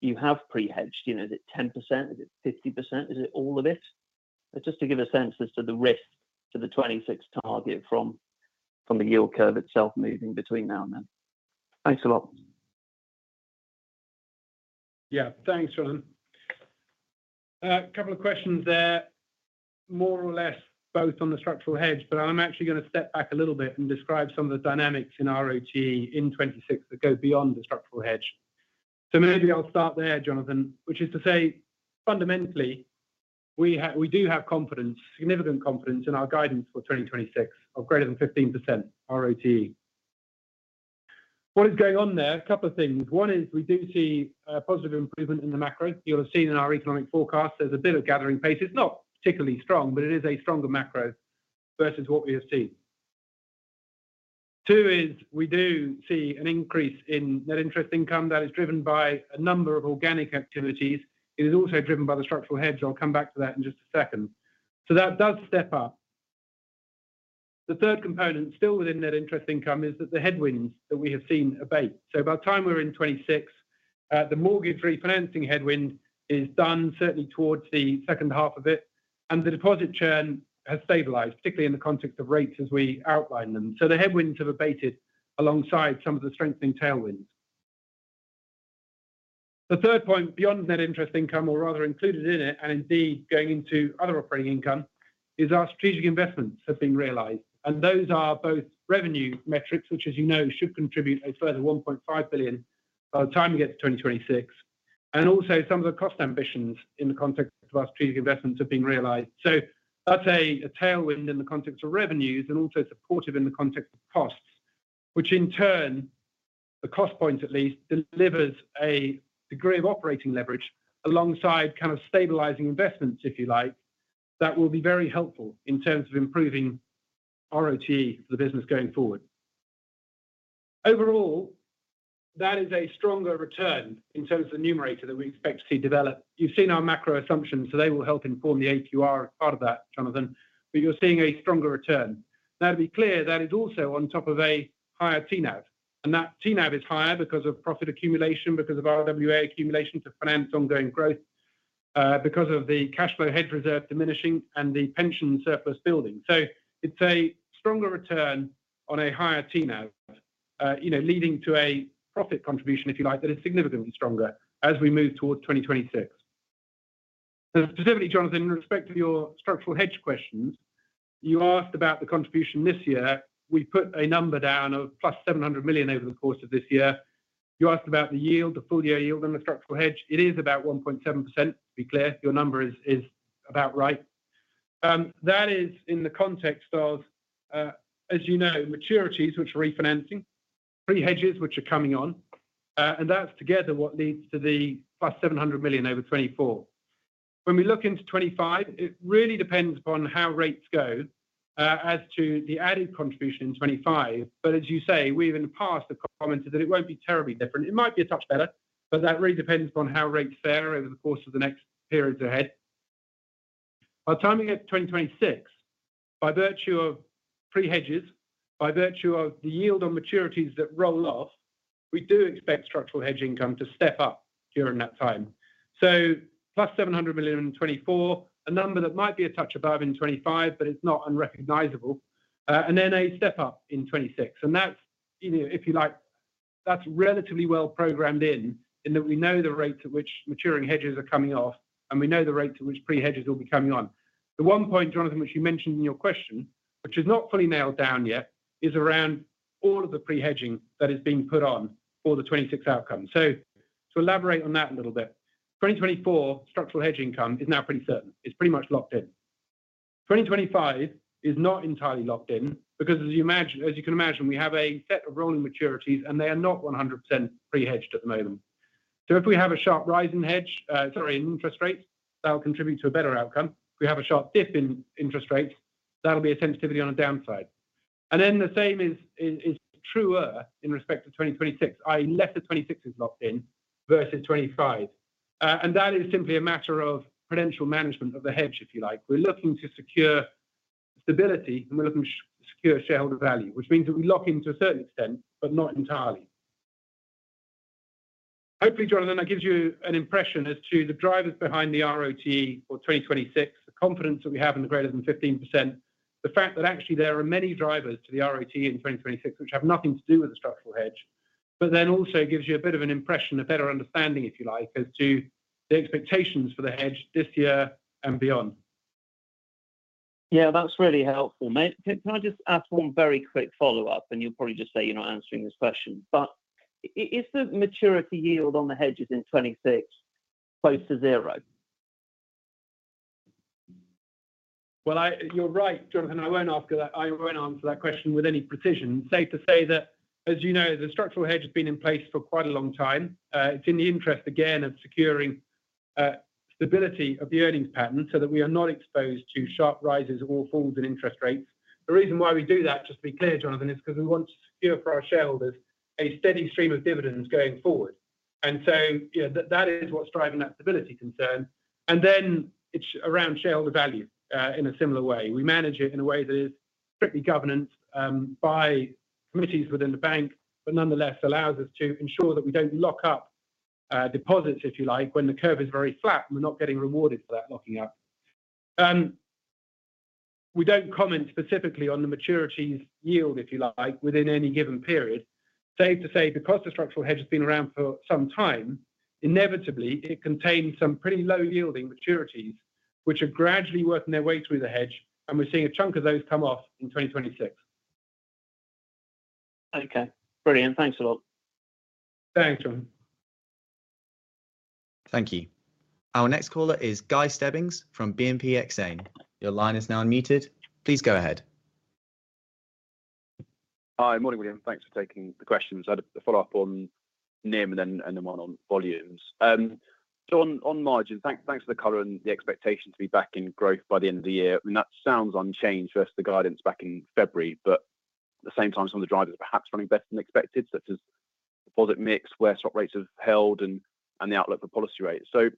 you have pre-hedged. Is it 10%? Is it 50%? Is it all of it? Just to give a sense as to the risk to the 2026 target from the yield curve itself moving between now and then. Thanks a lot. Yeah. Thanks, Jon. A couple of questions there, more or less both on the structural hedge, but I'm actually going to step back a little bit and describe some of the dynamics in ROTE in 2026 that go beyond the structural hedge. So maybe I'll start there, Jonathan, which is to say, fundamentally, we do have confidence, significant confidence, in our guidance for 2026 of greater than 15% ROTE. What is going on there? A couple of things. One is we do see a positive improvement in the macro. You'll have seen in our economic forecast, there's a bit of gathering pace. It's not particularly strong, but it is a stronger macro versus what we have seen. Two is we do see an increase in net interest income. That is driven by a number of organic activities. It is also driven by the structural hedge. I'll come back to that in just a second. So that does step up. The third component, still within net interest income, is that the headwinds that we have seen abate. So by the time we're in 2026, the mortgage refinancing headwind is done, certainly towards the second half of it, and the deposit churn has stabilised, particularly in the context of rates as we outline them. So the headwinds have abated alongside some of the strengthening tailwinds. The third point, beyond net interest income, or rather included in it and indeed going into other operating income, is our strategic investments have been realised. And those are both revenue metrics, which, as you know, should contribute a further 1.5 billion by the time we get to 2026, and also some of the cost ambitions in the context of our strategic investments have been realised. So that's a tailwind in the context of revenues and also supportive in the context of costs, which in turn, the cost point at least, delivers a degree of operating leverage alongside kind of stabilising investments, if you like, that will be very helpful in terms of improving ROTE for the business going forward. Overall, that is a stronger return in terms of the numerator that we expect to see develop. You've seen our macro assumptions, so they will help inform the AQR as part of that, Jonathan, but you're seeing a stronger return. Now, to be clear, that is also on top of a higher TNAV. And that TNAV is higher because of profit accumulation, because of RWA accumulation to finance ongoing growth, because of the cash flow hedge reserve diminishing, and the pension surplus building. So it's a stronger return on a higher TNAV, leading to a profit contribution, if you like, that is significantly stronger as we move towards 2026. Specifically, Jonathan, in respect to your structural hedge questions, you asked about the contribution this year. We put a number down of plus 700 million over the course of this year. You asked about the yield, the full-year yield on the structural hedge. It is about 1.7%, to be clear. Your number is about right. That is in the context of, as you know, maturities which are refinancing, pre-hedges which are coming on, and that's together what leads to the plus 700 million over 2024. When we look into 2025, it really depends upon how rates go as to the added contribution in 2025. But as you say, we've in the past have commented that it won't be terribly different. It might be a touch better, but that really depends upon how rates fare over the course of the next periods ahead. By the time we get to 2026, by virtue of pre-hedges, by virtue of the yield on maturities that roll off, we do expect structural hedge income to step up during that time. So +700 million in 2024, a number that might be a touch above in 2025, but it's not unrecognisable, and then a step up in 2026. And that's, if you like, that's relatively well programmed in in that we know the rates at which maturing hedges are coming off, and we know the rates at which pre-hedges will be coming on. The one point, Jonathan, which you mentioned in your question, which is not fully nailed down yet, is around all of the pre-hedging that is being put on for the 2026 outcome. To elaborate on that a little bit, 2024 structural hedge income is now pretty certain. It's pretty much locked in. 2025 is not entirely locked in because, as you can imagine, we have a set of rolling maturities, and they are not 100% pre-hedged at the moment. If we have a sharp rise in hedge, sorry, in interest rates, that'll contribute to a better outcome. If we have a sharp dip in interest rates, that'll be a sensitivity on the downside. The same is truer in respect to 2026, i.e., less of 2026 is locked in versus 2025. That is simply a matter of prudential management of the hedge, if you like. We're looking to secure stability, and we're looking to secure shareholder value, which means that we lock into a certain extent but not entirely. Hopefully, Jonathan, that gives you an impression as to the drivers behind the ROTE for 2026, the confidence that we have in the greater than 15%, the fact that actually there are many drivers to the ROTE in 2026 which have nothing to do with the structural hedge, but then also gives you a bit of an impression, a better understanding, if you like, as to the expectations for the hedge this year and beyond. Yeah, that's really helpful. Can I just ask one very quick follow-up, and you'll probably just say you're not answering this question. But is the maturity yield on the hedges in 2026 close to zero? Well, you're right, Jonathan. I won't answer that. I won't answer that question with any precision. Safe to say that, as you know, the structural hedge has been in place for quite a long time. It's in the interest, again, of securing stability of the earnings pattern so that we are not exposed to sharp rises or falls in interest rates. The reason why we do that, just to be clear, Jonathan, is because we want to secure for our shareholders a steady stream of dividends going forward. And so that is what's driving that stability concern. And then it's around shareholder value in a similar way. We manage it in a way that is strictly governed by committees within the bank but nonetheless allows us to ensure that we don't lock up deposits, if you like, when the curve is very flat and we're not getting rewarded for that locking up. We don't comment specifically on the maturities yield, if you like, within any given period. Safe to say, because the structural hedge has been around for some time, inevitably, it contains some pretty low-yielding maturities which are gradually working their way through the hedge, and we're seeing a chunk of those come off in 2026. Okay. Brilliant. Thanks a lot. Thanks, Jon. Thank you. Our next caller is Guy Stebbings from BNP Paribas Exane. Your line is now unmuted. Please go ahead. Hi. Morning, William. Thanks for taking the questions. I had a follow-up on NIM and then one on volumes. So, on margin, thanks for the color and the expectation to be back in growth by the end of the year. I mean, that sounds unchanged versus the guidance back in February, but at the same time, some of the drivers are perhaps running better than expected, such as deposit mix, where swap rates have held, and the outlook for policy rates. So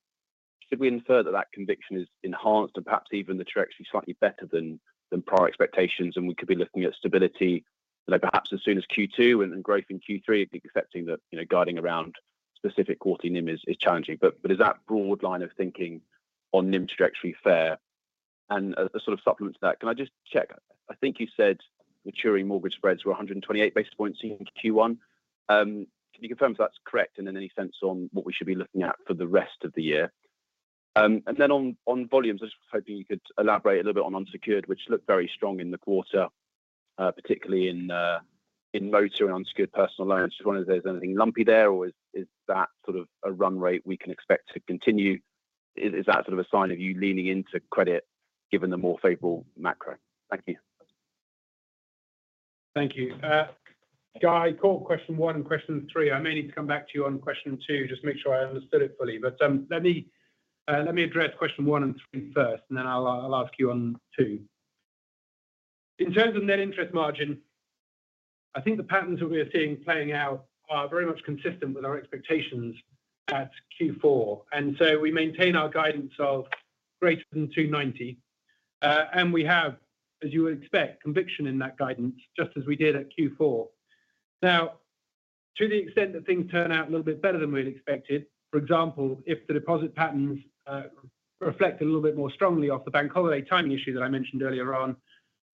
should we infer that that conviction is enhanced and perhaps even the trajectory slightly better than prior expectations, and we could be looking at stability perhaps as soon as Q2 and growth in Q3, accepting that guiding around specific quarter NIM is challenging? But is that broad line of thinking on NIM trajectory fair? And as a sort of supplement to that, can I just check? I think you said maturing mortgage spreads were 128 basis points in Q1. Can you confirm if that's correct and in any sense on what we should be looking at for the rest of the year? And then on volumes, I was just hoping you could elaborate a little bit on unsecured, which looked very strong in the quarter, particularly in motor and unsecured personal loans. Just wondering if there's anything lumpy there, or is that sort of a run rate we can expect to continue? Is that sort of a sign of you leaning into credit given the more favorable macro? Thank you. Thank you. Guy, call question one and question three. I may need to come back to you on question two, just to make sure I understood it fully. But let me address question one and three first, and then I'll ask you on two. In terms of net interest margin, I think the patterns that we are seeing playing out are very much consistent with our expectations at Q4. And so we maintain our guidance of greater than 290, and we have, as you would expect, conviction in that guidance just as we did at Q4. Now, to the extent that things turn out a little bit better than we had expected, for example, if the deposit patterns reflect a little bit more strongly off the bank holiday timing issue that I mentioned earlier on,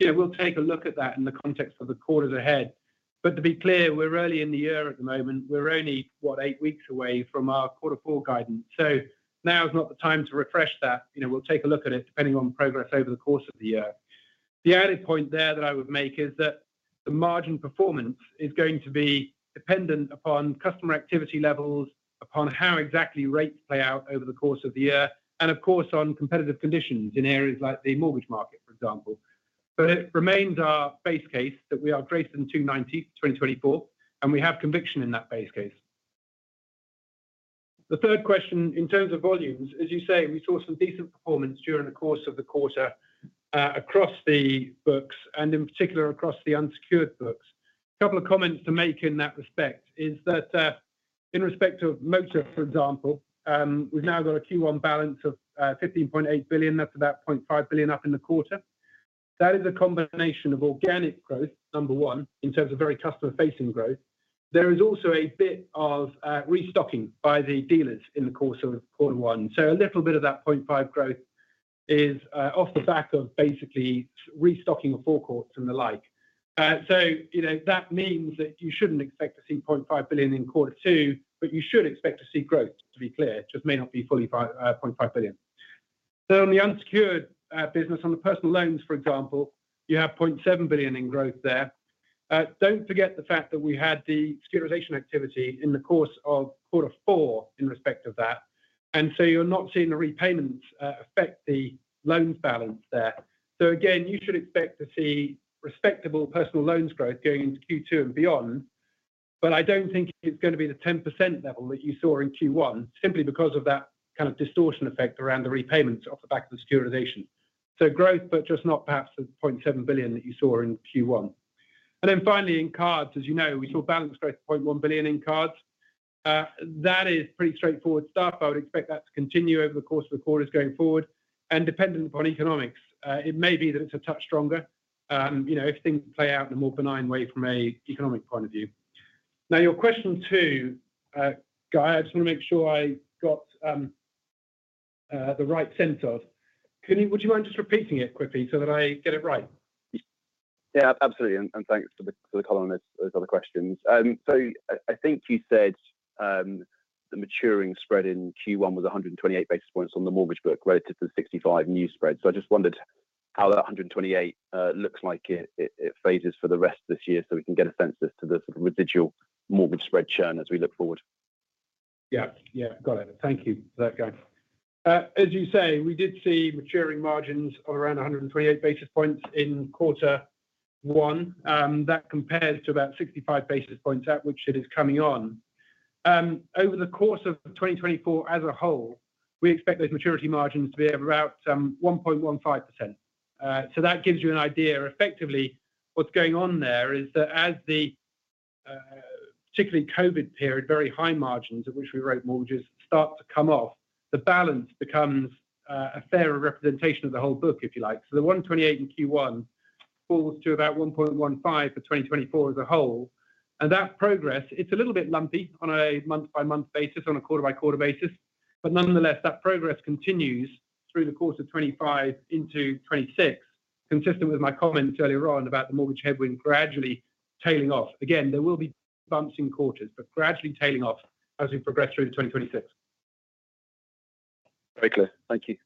we'll take a look at that in the context of the quarters ahead. But to be clear, we're early in the year at the moment. We're only, what, eight weeks away from our quarter four guidance. So now is not the time to refresh that. We'll take a look at it depending on progress over the course of the year. The added point there that I would make is that the margin performance is going to be dependent upon customer activity levels, upon how exactly rates play out over the course of the year, and of course, on competitive conditions in areas like the mortgage market, for example. But it remains our base case that we are greater than 290 for 2024, and we have conviction in that base case. The third question, in terms of volumes, as you say, we saw some decent performance during the course of the quarter across the books and in particular across the unsecured books. A couple of comments to make in that respect is that in respect to motor, for example, we've now got a Q1 balance of 15.8 billion. That's about 0.5 billion up in the quarter. That is a combination of organic growth, number one, in terms of very customer-facing growth. There is also a bit of restocking by the dealers in the course of quarter one. So a little bit of that 0.5 growth is off the back of basically restocking of forecourts and the like. So that means that you shouldn't expect to see 0.5 billion in quarter two, but you should expect to see growth, to be clear. It just may not be fully 0.5 billion. So on the unsecured business, on the personal loans, for example, you have 0.7 billion in growth there. Don't forget the fact that we had the securitization activity in the course of quarter four in respect of that, and so you're not seeing the repayments affect the loans balance there. So again, you should expect to see respectable personal loans growth going into Q2 and beyond, but I don't think it's going to be the 10% level that you saw in Q1 simply because of that kind of distortion effect around the repayments off the back of the securitization. So growth but just not perhaps the 0.7 billion that you saw in Q1. Then finally, in cards, as you know, we saw balance growth of 0.1 billion in cards. That is pretty straightforward stuff. I would expect that to continue over the course of the quarters going forward. Dependent upon economics, it may be that it's a touch stronger if things play out in a more benign way from an economic point of view. Now, your question two, Guy, I just want to make sure I got the right sense of. Would you mind just repeating it quickly so that I get it right? Yeah, absolutely. Thanks for the column and those other questions. So I think you said the maturing spread in Q1 was 128 basis points on the mortgage book relative to the 65 new spread. So I just wondered how that 128 looks like it phases for the rest of this year so we can get a sense as to the sort of residual mortgage spread churn as we look forward. Yeah. Yeah. Got it. Thank you for that, Guy. As you say, we did see maturing margins of around 128 basis points in quarter one. That compares to about 65 basis points at which it is coming on. Over the course of 2024 as a whole, we expect those maturity margins to be at about 1.15%. So that gives you an idea. Effectively, what's going on there is that as the particularly COVID period, very high margins at which we wrote mortgages start to come off, the balance becomes a fairer representation of the whole book, if you like. So the 128 in Q1 falls to about 1.15% for 2024 as a whole. That progress, it's a little bit lumpy on a month-by-month basis, on a quarter-by-quarter basis, but nonetheless, that progress continues through the course of 2025 into 2026, consistent with my comments earlier on about the mortgage headwind gradually tailing off. Again, there will be bumps in quarters, but gradually tailing off as we progress through to 2026. Very clear. Thank you.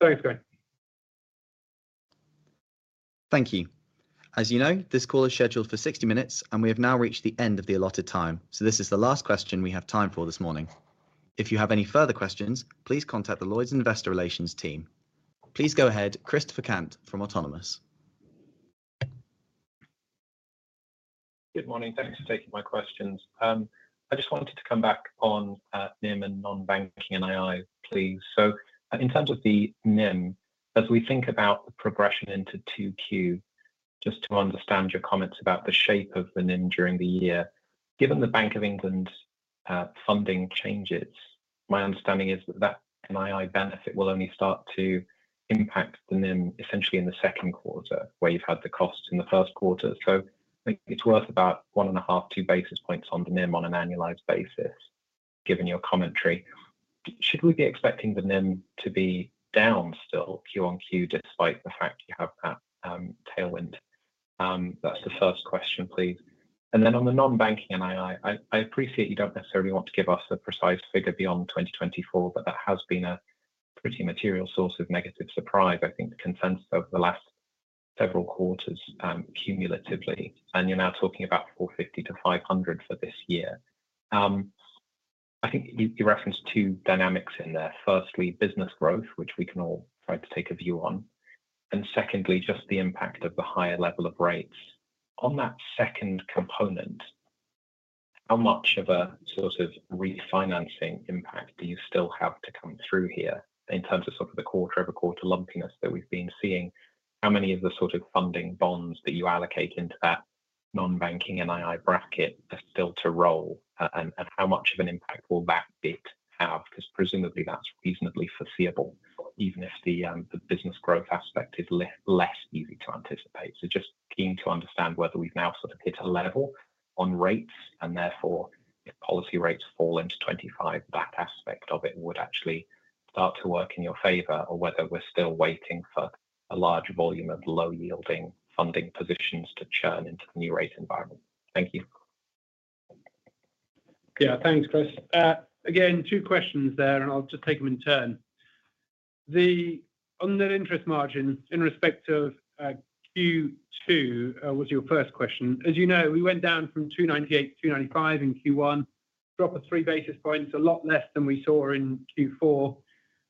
Thanks, Guy. Thank you. As you know, this call is scheduled for 60 minutes, and we have now reached the end of the allotted time. So this is the last question we have time for this morning. If you have any further questions, please contact the Lloyds Investor Relations team. Please go ahead, Christopher Cant from Autonomous. Good morning. Thanks for taking my questions. I just wanted to come back on NIM and non-banking NII, please. So in terms of the NIM, as we think about the progression into 2Q, just to understand your comments about the shape of the NIM during the year, given the Bank of England funding changes, my understanding is that that NII benefit will only start to impact the NIM essentially in the second quarter where you've had the costs in the first quarter. So I think it's worth about 1.5-2 basis points on the NIM on an annualized basis given your commentary. Should we be expecting the NIM to be down still Q-on-Q despite the fact you have that tailwind? That's the first question, please. Then on the non-banking NII, I appreciate you don't necessarily want to give us a precise figure beyond 2024, but that has been a pretty material source of negative surprise, I think, the consensus over the last several quarters cumulatively. You're now talking about 450-500 for this year. I think you referenced two dynamics in there. Firstly, business growth, which we can all try to take a view on. Secondly, just the impact of the higher level of rates. On that second component, how much of a sort of refinancing impact do you still have to come through here in terms of sort of the quarter-over-quarter lumpiness that we've been seeing? How many of the sort of funding bonds that you allocate into that non-banking NII bracket are still to roll, and how much of an impact will that bit have? Because presumably, that's reasonably foreseeable even if the business growth aspect is less easy to anticipate. So just keen to understand whether we've now sort of hit a level on rates, and therefore, if policy rates fall into 2025, that aspect of it would actually start to work in your favour, or whether we're still waiting for a large volume of low-yielding funding positions to churn into the new rate environment. Thank you. Yeah. Thanks, Chris. Again, two questions there, and I'll just take them in turn. On net interest margin in respect of Q2 was your first question. As you know, we went down from 298 to 295 in Q1, dropped 3 basis points, a lot less than we saw in Q4.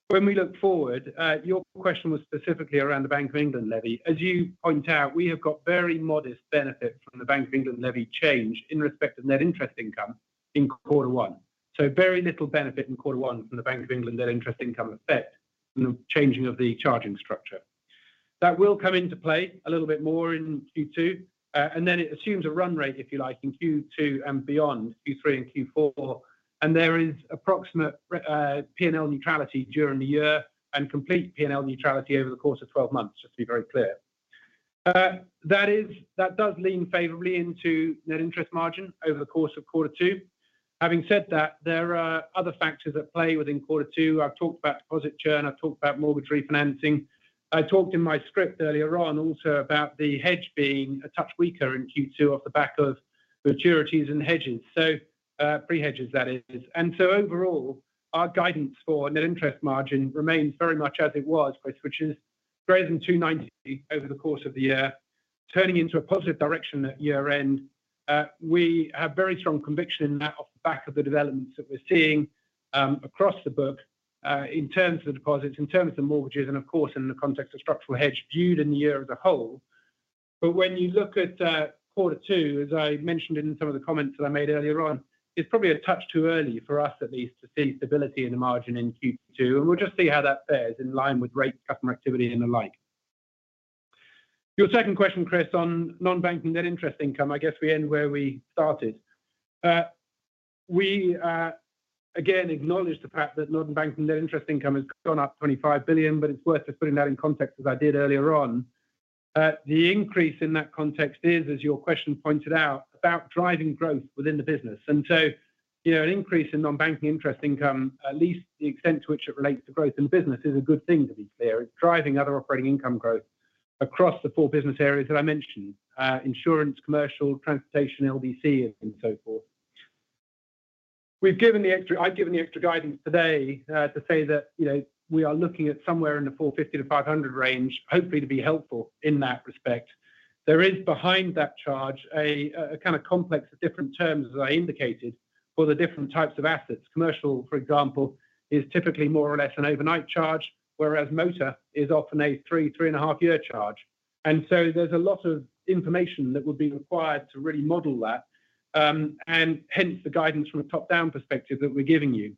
When we look forward, your question was specifically around the Bank of England levy. As you point out, we have got very modest benefit from the Bank of England levy change in respect of net interest income in quarter one. So very little benefit in quarter one from the Bank of England net interest income effect and the changing of the charging structure. That will come into play a little bit more in Q2, and then it assumes a run rate, if you like, in Q2 and beyond, Q3 and Q4. And there is approximate P&L neutrality during the year and complete P&L neutrality over the course of 12 months, just to be very clear. That does lean favorably into net interest margin over the course of quarter two. Having said that, there are other factors at play within quarter two. I've talked about deposit churn. I've talked about mortgage refinancing. I talked in my script earlier on also about the hedge being a touch weaker in Q2 off the back of maturities and hedges, pre-hedges, that is. So overall, our guidance for net interest margin remains very much as it was, Chris, which is greater than 290 over the course of the year, turning into a positive direction at year-end. We have very strong conviction in that off the back of the developments that we're seeing across the book in terms of the deposits, in terms of the mortgages, and of course, in the context of structural hedge viewed in the year as a whole. But when you look at quarter two, as I mentioned in some of the comments that I made earlier on, it's probably a touch too early for us at least to see stability in the margin in Q2. We'll just see how that fares in line with rates, customer activity, and the like. Your second question, Chris, on non-banking net interest income, I guess we end where we started. We, again, acknowledge the fact that non-banking net interest income has gone up 25 billion, but it's worth just putting that in context as I did earlier on. The increase in that context is, as your question pointed out, about driving growth within the business. And so an increase in non-banking interest income, at least the extent to which it relates to growth in business, is a good thing, to be clear. It's driving other operating income growth across the four business areas that I mentioned: insurance, commercial, transportation, LDC, and so forth. I've given the extra guidance today to say that we are looking at somewhere in the 450-500 range, hopefully to be helpful in that respect. There is behind that charge a kind of complex of different terms, as I indicated, for the different types of assets. Commercial, for example, is typically more or less an overnight charge, whereas motor is often a 3 to 3.5 year charge. And so there's a lot of information that would be required to really model that and hence the guidance from a top-down perspective that we're giving you.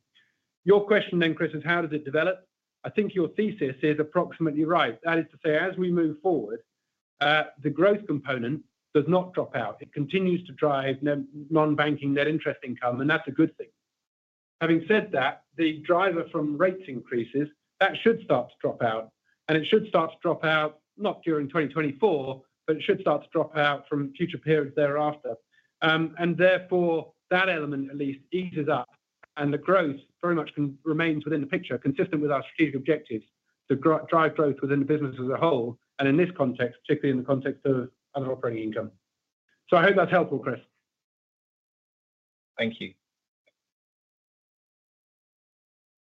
Your question then, Chris, is how does it develop? I think your thesis is approximately right. That is to say, as we move forward, the growth component does not drop out. It continues to drive non-banking net interest income, and that's a good thing. Having said that, the driver from rate increases that should start to drop out. It should start to drop out not during 2024, but it should start to drop out from future periods thereafter. Therefore, that element at least eases up, and the growth very much remains within the picture consistent with our strategic objectives to drive growth within the business as a whole and in this context, particularly in the context of other operating income. I hope that's helpful, Chris. Thank you.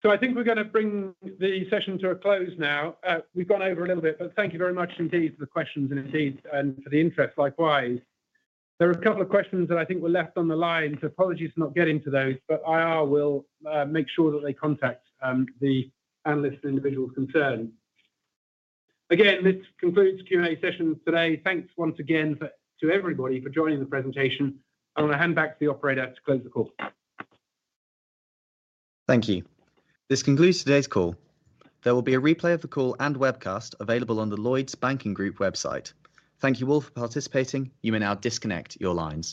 I think we're going to bring the session to a close now. We've gone over a little bit, but thank you very much indeed for the questions and indeed for the interest likewise. There are a couple of questions that I think were left on the line. Apologies for not getting to those, but IR will make sure that they contact the analysts and individuals concerned. Again, this concludes Q&A session today. Thanks once again to everybody for joining the presentation. I want to hand back to the operator to close the call. Thank you. This concludes today's call. There will be a replay of the call and webcast available on the Lloyds Banking Group website. Thank you all for participating. You may now disconnect your lines.